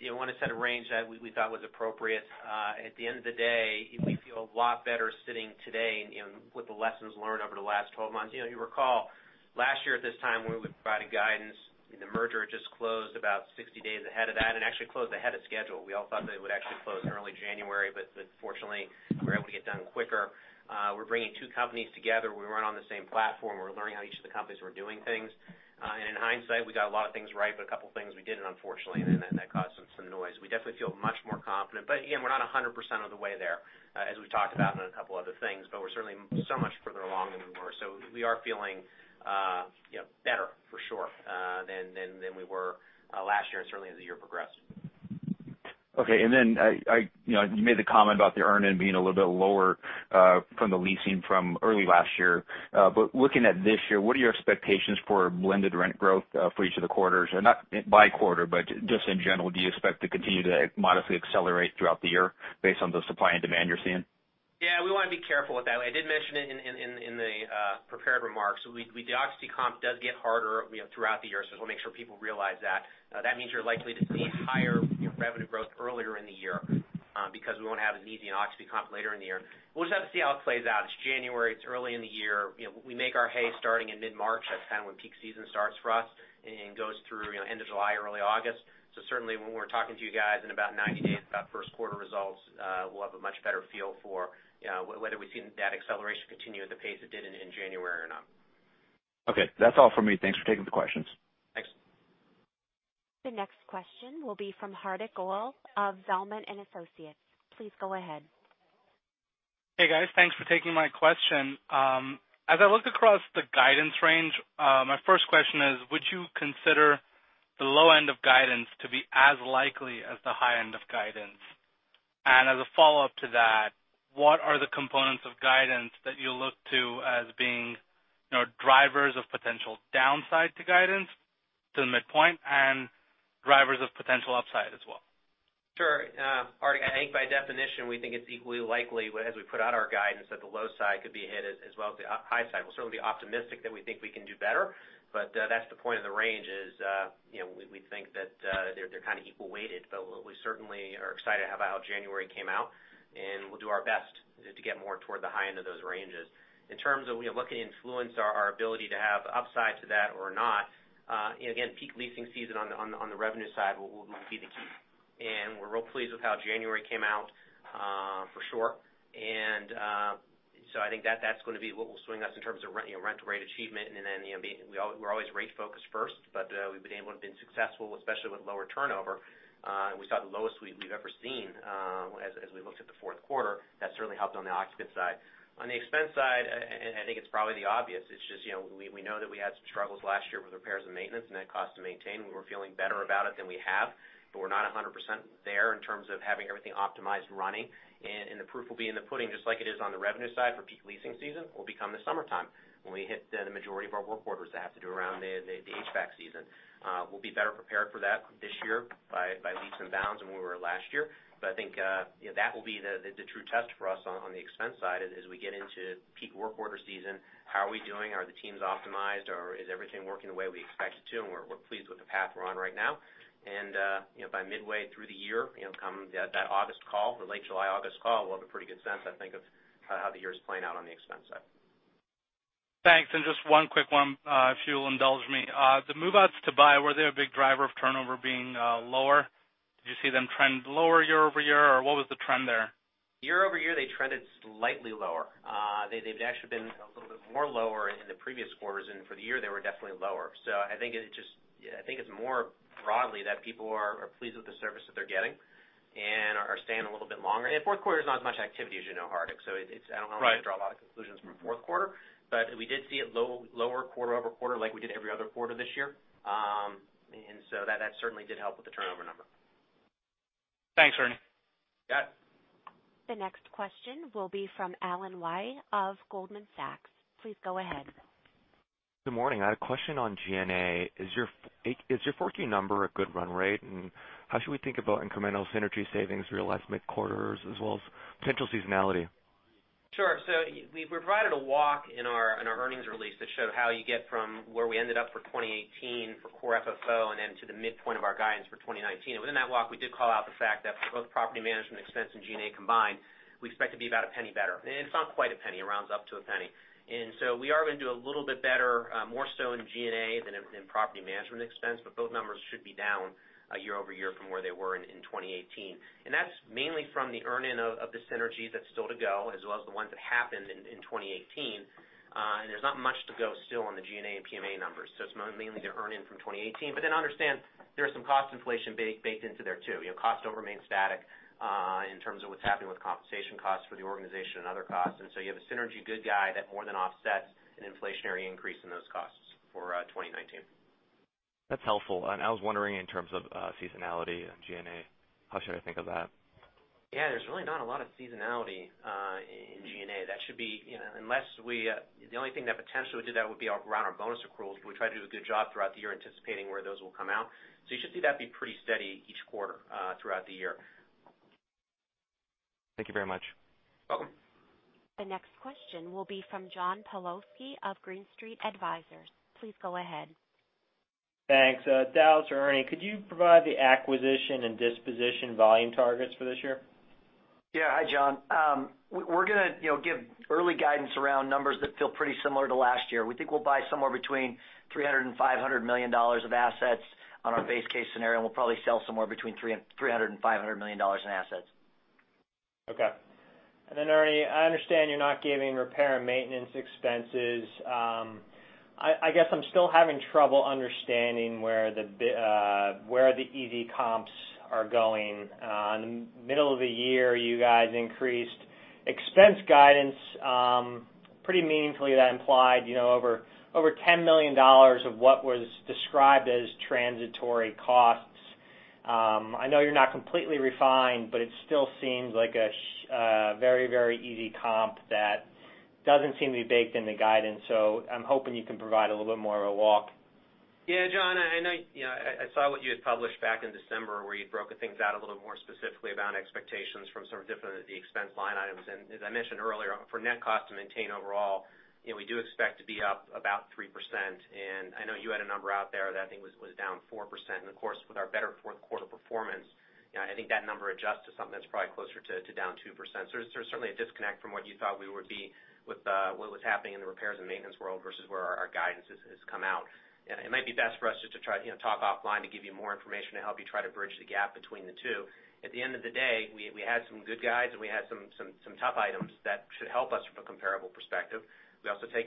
S5: we want to set a range that we thought was appropriate. At the end of the day, we feel a lot better sitting today with the lessons learned over the last 12 months. You recall, last year at this time, when we provided guidance, the merger had just closed about 60 days ahead of that, actually closed ahead of schedule. We all thought that it would actually close in early January, but fortunately, we were able to get it done quicker. We are bringing two companies together. We weren't on the same platform. We are learning how each of the companies were doing things. In hindsight, we got a lot of things right, but a couple of things we didn't, unfortunately, and that caused some noise. We definitely feel much more confident. Again, we're not 100% of the way there, as we've talked about on a couple other things. We're certainly so much further along than we were. We are feeling sure, than we were last year and certainly as the year progressed.
S14: Okay. You made the comment about the earn-in being a little bit lower from the leasing from early last year. Looking at this year, what are your expectations for blended rent growth for each of the quarters? Not by quarter, but just in general, do you expect to continue to modestly accelerate throughout the year based on the supply and demand you're seeing?
S5: Yeah, we want to be careful with that. I did mention it in the prepared remarks. The occupancy comp does get harder throughout the year, I just want to make sure people realize that. That means you're likely to see higher revenue growth earlier in the year, because we won't have as easy an occupancy comp later in the year. We'll just have to see how it plays out. It's January. It's early in the year. We make our hay starting in mid-March. That's kind of when peak season starts for us and goes through end of July or early August. Certainly, when we're talking to you guys in about 90 days about first quarter results, we'll have a much better feel for whether we've seen that acceleration continue at the pace it did in January or not.
S14: Okay. That's all for me. Thanks for taking the questions.
S5: Thanks.
S1: The next question will be from Hardik Goel of Zelman & Associates. Please go ahead.
S15: Hey, guys. Thanks for taking my question. As I look across the guidance range, my first question is, would you consider the low end of guidance to be as likely as the high end of guidance? As a follow-up to that, what are the components of guidance that you look to as being drivers of potential downside to guidance to the midpoint and drivers of potential upside as well?
S5: Sure. Hardik, I think by definition, we think it's equally likely, as we put out our guidance, that the low side could be hit as well as the high side. We'll certainly be optimistic that we think we can do better, that's the point of the range is we think that they're kind of equal weighted. We certainly are excited about how January came out, and we'll do our best to get more toward the high end of those ranges. In terms of what could influence our ability to have upside to that or not, again, peak leasing season on the revenue side will be the key. We're real pleased with how January came out, for sure. So I think that's going to be what will swing us in terms of rental rate achievement. We're always rate-focused first, we've been able to have been successful, especially with lower turnover. We saw the lowest we've ever seen as we looked at the fourth quarter. That certainly helped on the occupant side. On the expense side, I think it's probably the obvious, it's just we know that we had some struggles last year with repairs and maintenance and net cost to maintain. We were feeling better about it than we have, but we're not 100% there in terms of having everything optimized and running. The proof will be in the pudding, just like it is on the revenue side for peak leasing season, will become the summertime, when we hit the majority of our work orders that have to do around the HVAC season. We'll be better prepared for that this year by leaps and bounds than we were last year. I think that will be the true test for us on the expense side as we get into peak work order season. How are we doing? Are the teams optimized? Is everything working the way we expect it to? We're pleased with the path we're on right now. By midway through the year, come that August call, the late July, August call, we'll have a pretty good sense, I think, of how the year is playing out on the expense side.
S15: Thanks. Just one quick one, if you'll indulge me. The move-outs to buy, were they a big driver of turnover being lower? Did you see them trend lower year-over-year, or what was the trend there?
S5: Year-over-year, they trended slightly lower. They've actually been a little bit more lower in the previous quarters, for the year, they were definitely lower. I think it's more broadly that people are pleased with the service that they're getting and are staying a little bit longer. Fourth quarter is not as much activity as you know, Hardik.
S15: Right.
S5: I don't know if we can draw a lot of conclusions from fourth quarter, but we did see it lower quarter-over-quarter like we did every other quarter this year. That certainly did help with the turnover number.
S15: Thanks, Ernie.
S5: Yeah.
S1: The next question will be from Alan Wai of Goldman Sachs. Please go ahead.
S16: Good morning. I had a question on G&A. Is your full team number a good run rate? How should we think about incremental synergy savings realized mid-quarters as well as potential seasonality?
S5: Sure. We provided a walk in our earnings release that showed how you get from where we ended up for 2018 for Core FFO and then to the midpoint of our guidance for 2019. Within that walk, we did call out the fact that for both property management expense and G&A combined, we expect to be about $0.01 better. It's not quite $0.01. It rounds up to $0.01. We are going to do a little bit better, more so in G&A than in property management expense, but both numbers should be down year-over-year from where they were in 2018. That's mainly from the earn-in of the synergy that's still to go, as well as the ones that happened in 2018. There's not much to go still on the G&A and PMA numbers. It's mainly the earn-in from 2018. Understand there's some cost inflation baked into there, too. Costs don't remain static in terms of what's happening with compensation costs for the organization and other costs. You have a synergy good guy that more than offsets an inflationary increase in those costs for 2019.
S16: That's helpful. I was wondering in terms of seasonality and G&A, how should I think of that?
S5: There's really not a lot of seasonality in G&A. The only thing that potentially would do that would be around our bonus accruals, but we try to do a good job throughout the year anticipating where those will come out. You should see that be pretty steady each quarter throughout the year.
S16: Thank you very much.
S5: Welcome.
S1: The next question will be from John Pawlowski of Green Street Advisors. Please go ahead.
S17: Thanks. Dallas or Ernie, could you provide the acquisition and disposition volume targets for this year?
S5: Yeah. Hi, John. We're going to give early guidance around numbers that feel pretty similar to last year. We think we'll buy somewhere between $300 million and $500 million of assets on our base case scenario, and we'll probably sell somewhere between $300 million and $500 million in assets.
S17: Okay. Ernie, I understand you're not giving repair and maintenance expenses. I guess I'm still having trouble understanding where the easy comps are going. In the middle of the year, you guys increased expense guidance, pretty meaningfully that implied over $10 million of what was described as transitory costs. I know you're not completely refined, but it still seems like a very, very easy comp that doesn't seem to be baked in the guidance. I'm hoping you can provide a little bit more of a walk.
S5: Yeah, John, I know I saw what you had published back in December where you broke things out a little more specifically about expectations from sort of different of the expense line items. As I mentioned earlier, for net cost to maintain overall, we do expect to be up about 3%. I know you had a number out there that I think was down 4%. Of course, with our better fourth quarter performance, I think that number adjusts to something that's probably closer to down 2%. There's certainly a disconnect from what you thought we would be with what was happening in the repairs and maintenance world versus where our guidance has come out. It might be best for us just to try to talk offline to give you more information to help you try to bridge the gap between the two. At the end of the day, we had some good guides, we had some tough items that should help us from a comparable perspective. We also have to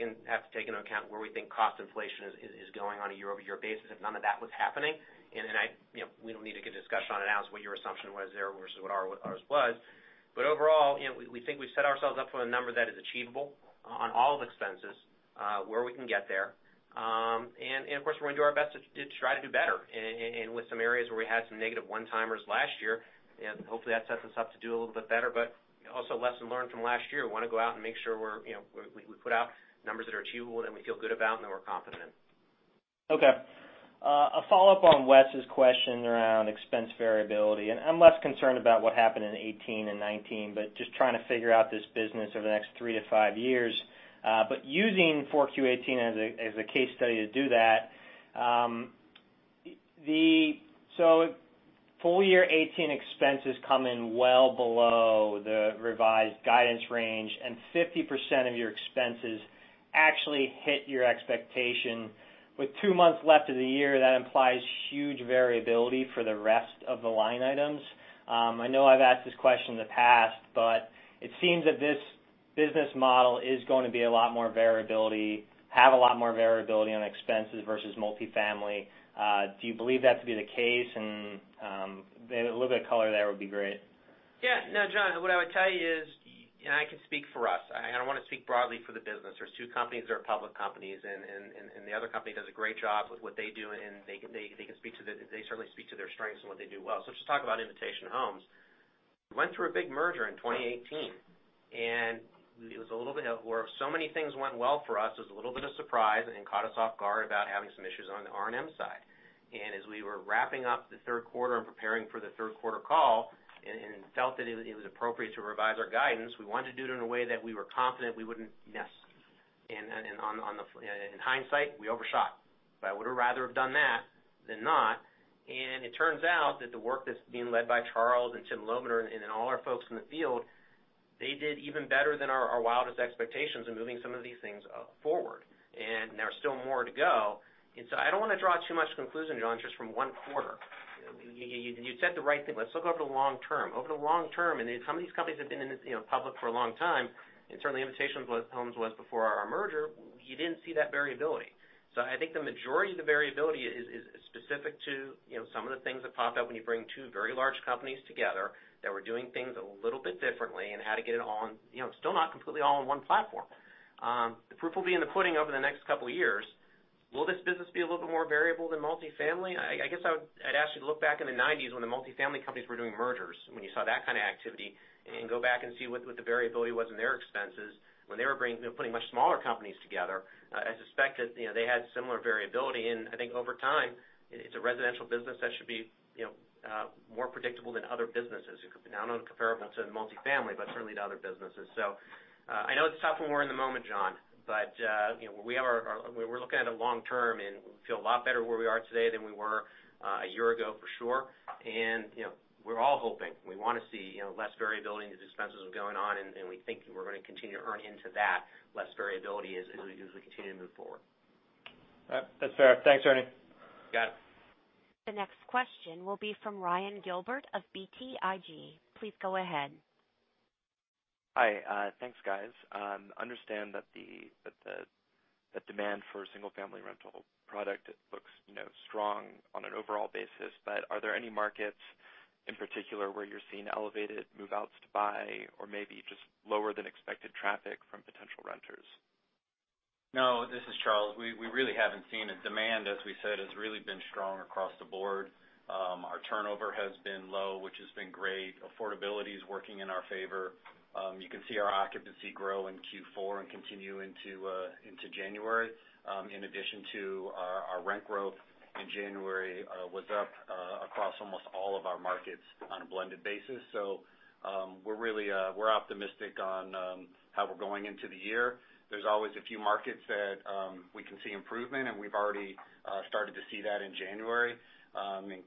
S5: take into account where we think cost inflation is going on a year-over-year basis, if none of that was happening. We don't need to get a discussion on it now as to what your assumption was there versus what ours was. Overall, we think we've set ourselves up for the number that is achievable on all the expenses, where we can get there. Of course, we're going to do our best to try to do better. With some areas where we had some negative one-timers last year, hopefully that sets us up to do a little bit better. Also lesson learned from last year, we want to go out and make sure we put out numbers that are achievable, that we feel good about, and that we're confident in.
S17: Okay. A follow-up on Wes's question around expense variability. I'm less concerned about what happened in 2018 and 2019, but just trying to figure out this business over the next 3-5 years. Using Q4 2018 as a case study to do that, full year 2018 expenses come in well below the revised guidance range, and 50% of your expenses actually hit your expectation. With two months left of the year, that implies huge variability for the rest of the line items. I know I've asked this question in the past, but it seems that this business model is going to have a lot more variability on expenses versus multifamily. Do you believe that to be the case? A little bit of color there would be great.
S5: Yeah. No, John, what I would tell you is. I can speak for us. I don't want to speak broadly for the business. There's two companies that are public companies. The other company does a great job with what they do, and they certainly speak to their strengths and what they do well. Just talk about Invitation Homes. Went through a big merger in 2018. It was a little bit of where so many things went well for us, it was a little bit of surprise and caught us off guard about having some issues on the R&M side. As we were wrapping up the third quarter and preparing for the third quarter call and felt that it was appropriate to revise our guidance, we wanted to do it in a way that we were confident we wouldn't miss. In hindsight, we overshot. I would have rather have done that than not. It turns out that the work that's being led by Charles and Tim Lobner and all our folks in the field, they did even better than our wildest expectations in moving some of these things forward. There are still more to go. I don't want to draw too much conclusion, John, just from one quarter. You said the right thing. Let's look over the long term. Over the long term, some of these companies have been in this public for a long time, and certainly Invitation Homes was before our merger, you didn't see that variability. I think the majority of the variability is specific to some of the things that pop up when you bring two very large companies together that were doing things a little bit differently and how to get it all on, still not completely all on one platform. The proof will be in the pudding over the next couple of years. Will this business be a little bit more variable than multifamily? I guess I'd ask you to look back in the 1990s when the multifamily companies were doing mergers, when you saw that kind of activity, and go back and see what the variability was in their expenses when they were putting much smaller companies together. I suspect that they had similar variability. I think over time, it's a residential business that should be more predictable than other businesses. I don't know comparable to multifamily, but certainly to other businesses. I know it's tough when we're in the moment, John, but we're looking at it long term, and we feel a lot better where we are today than we were a year ago for sure. We're all hoping. We want to see less variability as expenses are going on, and we think we're going to continue to earn into that less variability as we continue to move forward.
S17: All right. That's fair. Thanks, Ernie.
S5: Got it.
S1: The next question will be from Ryan Gilbert of BTIG. Please go ahead.
S18: Hi. Thanks, guys. Understand that the demand for a single-family rental product looks strong on an overall basis, but are there any markets in particular where you're seeing elevated move-outs to buy or maybe just lower than expected traffic from potential renters?
S4: No, this is Charles. We really haven't seen it. Demand, as we said, has really been strong across the board. Our turnover has been low, which has been great. Affordability is working in our favor. You can see our occupancy grow in Q4 and continue into January. In addition to our rent growth in January was up across almost all of our markets on a blended basis. We're optimistic on how we're going into the year. There's always a few markets that we can see improvement, and we've already started to see that in January.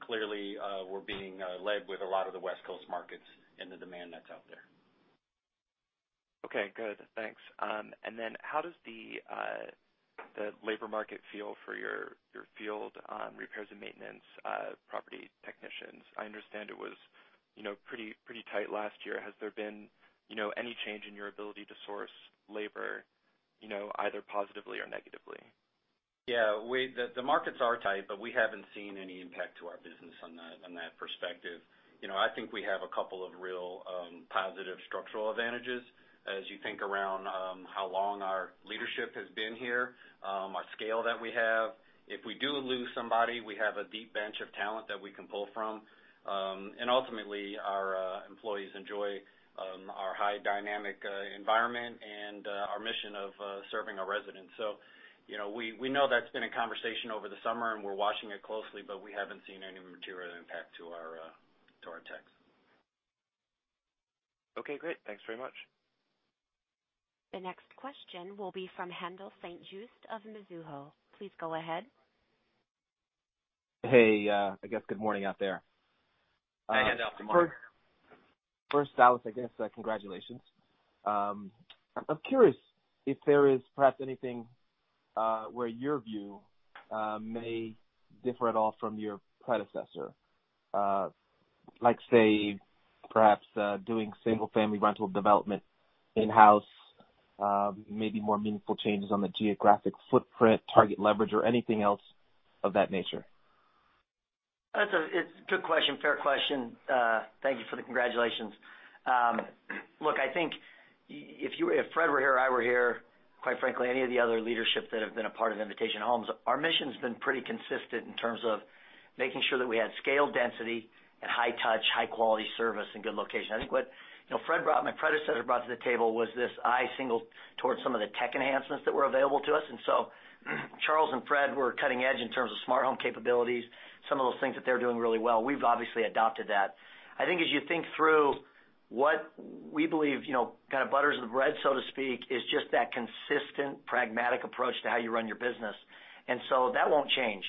S4: Clearly, we're being led with a lot of the West Coast markets and the demand that's out there.
S18: Okay, good. Thanks. How does the labor market feel for your field on repairs and maintenance property technicians? I understand it was pretty tight last year. Has there been any change in your ability to source labor, either positively or negatively?
S4: Yeah. The markets are tight, but we haven't seen any impact to our business on that perspective. I think we have a couple of real positive structural advantages as you think around how long our leadership has been here, our scale that we have. If we do lose somebody, we have a deep bench of talent that we can pull from. Ultimately, our employees enjoy our high dynamic environment and our mission of serving our residents. We know that's been a conversation over the summer, and we're watching it closely, but we haven't seen any material impact to our techs.
S18: Okay, great. Thanks very much.
S1: The next question will be from Haendel St. Juste of Mizuho. Please go ahead.
S19: Hey. I guess good morning out there.
S4: Hey, Haendel. Good morning.
S19: First, Dallas, I guess, congratulations. I'm curious if there is perhaps anything where your view may differ at all from your predecessor. Like, say perhaps, doing single-family rental development in-house, maybe more meaningful changes on the geographic footprint, target leverage, or anything else of that nature.
S3: That's a good question. Fair question. Thank you for the congratulations. Look, I think if Fred were here, I were here, quite frankly, any of the other leadership that have been a part of Invitation Homes, our mission's been pretty consistent in terms of making sure that we had scale density and high touch, high-quality service, and good location. I think what Fred, my predecessor, brought to the table was this eye single towards some of the tech enhancements that were available to us. Charles and Fred were cutting edge in terms of smart home capabilities, some of those things that they're doing really well. We've obviously adopted that. I think as you think through what we believe kind of butters the bread, so to speak, is just that consistent, pragmatic approach to how you run your business. That won't change.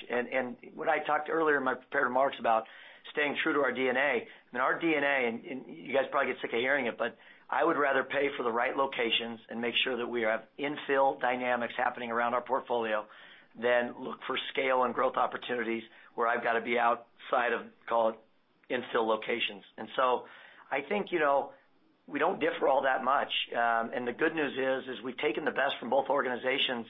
S3: What I talked earlier in my prepared remarks about staying true to our DNA, and our DNA, you guys probably get sick of hearing it, but I would rather pay for the right locations and make sure that we have infill dynamics happening around our portfolio than look for scale and growth opportunities where I've got to be outside of, call it infill locations. I think, we don't differ all that much. The good news is we've taken the best from both organizations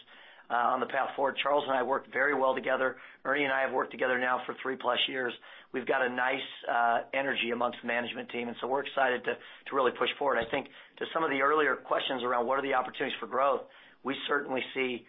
S3: on the path forward. Charles and I work very well together. Ernie and I have worked together now for 3+ years. We've got a nice energy amongst the management team, we're excited to really push forward. I think to some of the earlier questions around what are the opportunities for growth, we certainly see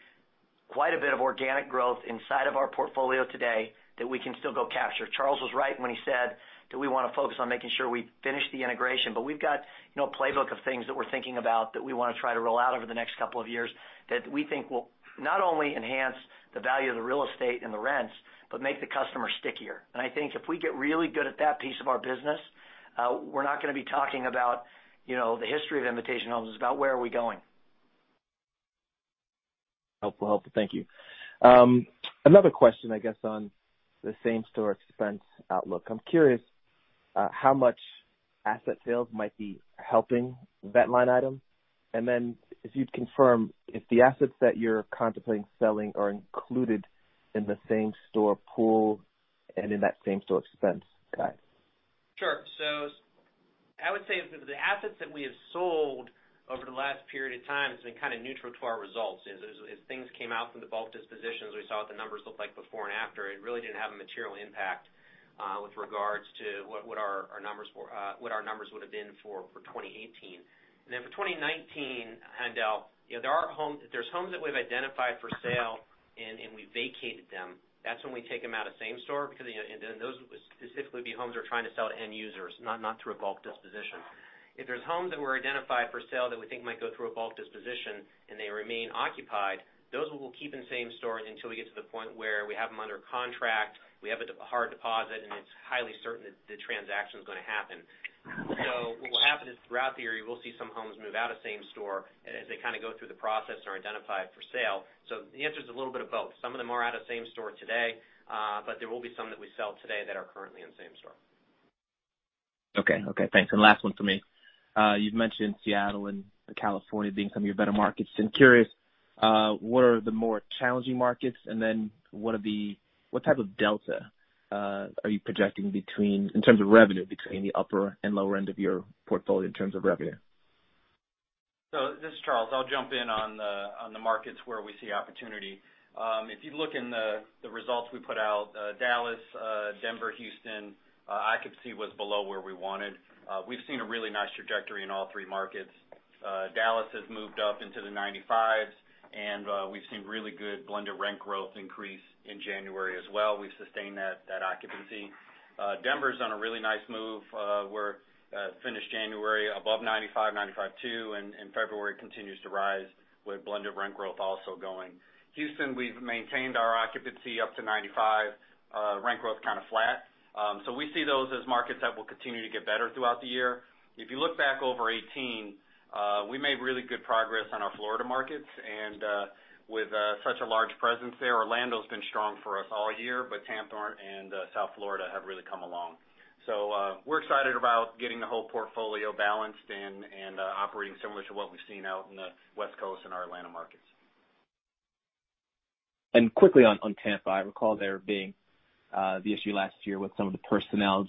S3: quite a bit of organic growth inside of our portfolio today that we can still go capture. Charles was right when he said that we want to focus on making sure we finish the integration, but we've got a playbook of things that we're thinking about that we want to try to roll out over the next couple of years that we think will not only enhance the value of the real estate and the rents but make the customer stickier. I think if we get really good at that piece of our business, we're not going to be talking about the history of Invitation Homes. It's about where are we going.
S19: Helpful. Thank you. Another question, I guess, on the same-store expense outlook. I'm curious how much asset sales might be helping that line item, and then if you'd confirm if the assets that you're contemplating selling are included in the same-store pool and in that same-store expense guide.
S5: I would say the assets that we have sold over the last period of time has been kind of neutral to our results. As things came out from the bulk dispositions, we saw what the numbers looked like before and after. It really didn't have a material impact with regards to what our numbers would've been for 2018. For 2019, Haendel, there's homes that we've identified for sale, and we vacated them. That's when we take them out of same-store because those would specifically be homes we're trying to sell to end users, not through a bulk disposition.
S4: If there's homes that were identified for sale that we think might go through a bulk disposition and they remain occupied, those we will keep in same-store until we get to the point where we have them under contract, we have a hard deposit, and it's highly certain that the transaction's going to happen. What will happen is, throughout the year, you will see some homes move out of same-store as they kind of go through the process and are identified for sale. The answer's a little bit of both. Some of them are out of same-store today, but there will be some that we sell today that are currently in same-store.
S19: Okay. Thanks. Last one from me. You've mentioned Seattle and California being some of your better markets. I'm curious, what are the more challenging markets, and then what type of delta are you projecting in terms of revenue between the upper and lower end of your portfolio in terms of revenue?
S4: This is Charles. I'll jump in on the markets where we see opportunity. If you look in the results we put out, Dallas, Denver, Houston, occupancy was below where we wanted. We've seen a really nice trajectory in all three markets. Dallas has moved up into the 95s, and we've seen really good blended rent growth increase in January as well. We've sustained that occupancy. Denver's on a really nice move. We finished January above 95.2, and February continues to rise with blended rent growth also going. Houston, we've maintained our occupancy up to 95. Rent growth kind of flat. We see those as markets that will continue to get better throughout the year. If you look back over 2018, we made really good progress on our Florida markets, and with such a large presence there. Orlando's been strong for us all year, but Tampa and South Florida have really come along. We're excited about getting the whole portfolio balanced and operating similar to what we've seen out in the West Coast and our Atlanta markets.
S19: Quickly on Tampa, I recall there being the issue last year with some of the personnel.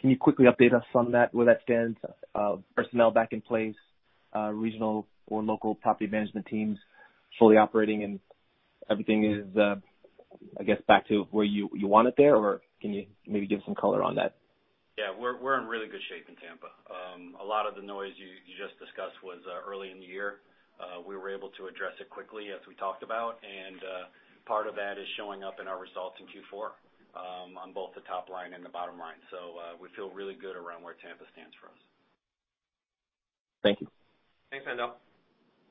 S19: Can you quickly update us on that, where that stands? Personnel back in place, regional or local property management teams fully operating, and everything is, I guess, back to where you want it there? Can you maybe give some color on that?
S4: Yeah, we're in really good shape in Tampa. A lot of the noise you just discussed was early in the year. We were able to address it quickly as we talked about, and part of that is showing up in our results in Q4, on both the top line and the bottom line. We feel really good around where Tampa stands for us.
S19: Thank you.
S4: Thanks, Haendel.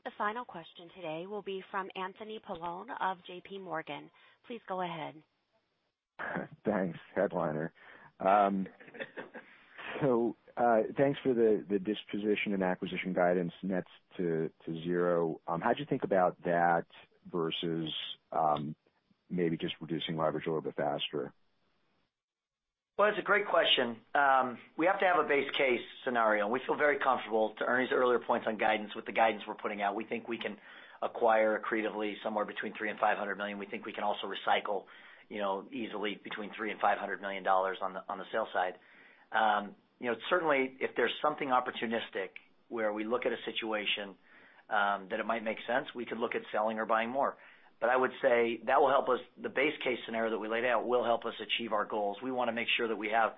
S1: The final question today will be from Anthony Paolone of J.P. Morgan. Please go ahead.
S20: Thanks. Headliner. Thanks for the disposition and acquisition guidance nets to zero. How'd you think about that versus maybe just reducing leverage a little bit faster?
S3: Well, it's a great question. We have to have a base case scenario, and we feel very comfortable. To Ernie's earlier points on guidance, with the guidance we're putting out, we think we can acquire accretively somewhere between $3 million and $500 million. We think we can also recycle easily between $3 million and $500 million on the sales side. Certainly, if there's something opportunistic where we look at a situation that it might make sense, we could look at selling or buying more. I would say the base case scenario that we laid out will help us achieve our goals. We want to make sure that we have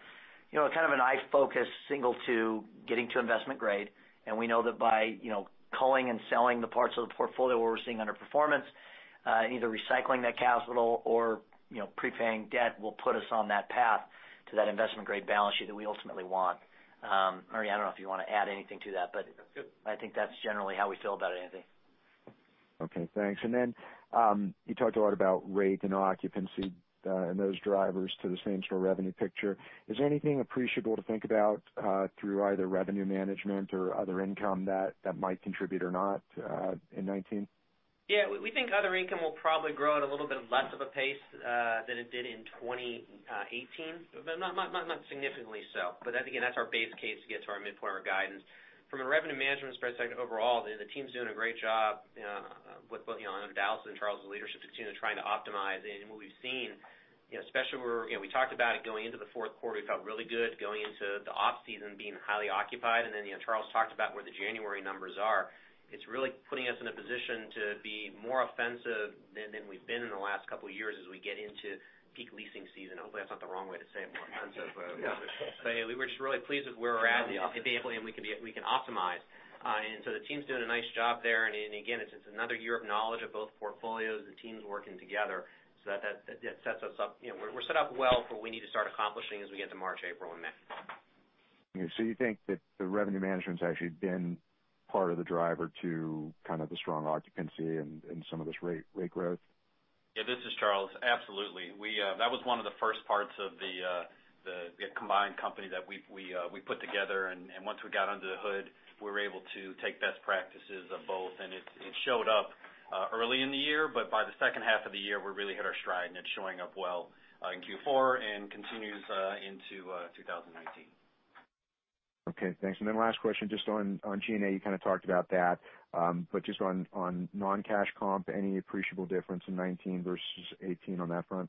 S3: kind of an eye focus single to getting to investment grade. We know that by culling and selling the parts of the portfolio where we're seeing underperformance, either recycling that capital or prepaying debt will put us on that path to that investment-grade balance sheet that we ultimately want. Ernie, I don't know if you want to add anything to that.
S5: That's good
S3: I think that's generally how we feel about it, Anthony.
S20: Okay, thanks. You talked a lot about rate and occupancy, and those drivers to the same-store revenue picture. Is there anything appreciable to think about through either revenue management or other income that might contribute or not in 2019?
S5: Yeah. We think other income will probably grow at a little bit less of a pace than it did in 2018, but not significantly so. Again, that's our base case to get to our midpoint of our guidance. From a revenue management perspective overall, the team's doing a great job under Dallas and Charles's leadership to continue trying to optimize. What we've seen, especially where we talked about it going into the fourth quarter, we felt really good going into the off-season being highly occupied. Charles talked about where the January numbers are. It's really putting us in a position to be more offensive than we've been in the last couple of years as we get into peak leasing season. Hopefully, that's not the wrong way to say it, more offensive. We're just really pleased with where we're at basically, and we can optimize. The team's doing a nice job there, and again, it's just another year of knowledge of both portfolios and teams working together. That sets us up. We're set up well for what we need to start accomplishing as we get to March, April, and May.
S20: You think that the revenue management's actually been part of the driver to kind of the strong occupancy and some of this rate growth?
S4: Yeah, this is Charles. Absolutely. That was one of the first parts of the combined company that we put together, and once we got under the hood, we were able to take best practices of both, and it showed up early in the year, but by the second half of the year, we really hit our stride, and it's showing up well in Q4 and continues into 2019.
S20: Okay, thanks. Then last question, just on G&A, you kind of talked about that. Just on non-cash comp, any appreciable difference in 2019 versus 2018 on that front?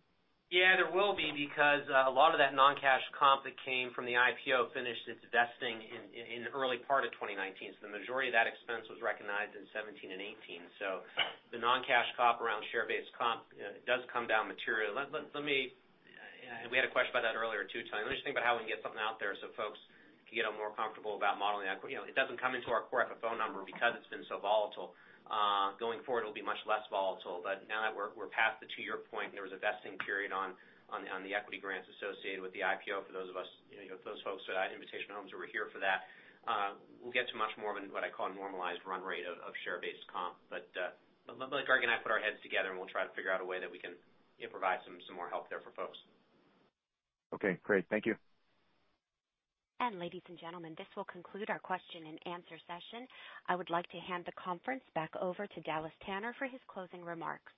S5: Yeah, there will be because a lot of that non-cash comp that came from the IPO finished its vesting in early part of 2019. The majority of that expense was recognized in 2017 and 2018. The non-cash comp around share-based comp does come down materially. We had a question about that earlier, too, Tony. Let me just think about how we can get something out there so folks can get more comfortable about modeling that. It doesn't come into our core EPS phone number because it's been so volatile. Going forward, it'll be much less volatile, but now that we're past the two-year point, and there was a vesting period on the equity grants associated with the IPO for those folks at Invitation Homes who were here for that. We'll get to much more of what I call a normalized run rate of share-based comp. Greg and I put our heads together, and we'll try to figure out a way that we can provide some more help there for folks.
S20: Okay, great. Thank you.
S1: Ladies and gentlemen, this will conclude our question and answer session. I would like to hand the conference back over to Dallas Tanner for his closing remarks.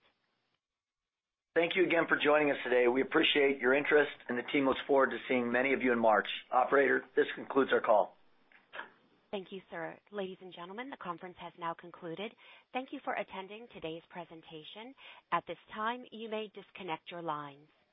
S3: Thank you again for joining us today. We appreciate your interest, and the team looks forward to seeing many of you in March. Operator, this concludes our call.
S1: Thank you, sir. Ladies and gentlemen, the conference has now concluded. Thank you for attending today's presentation. At this time, you may disconnect your lines.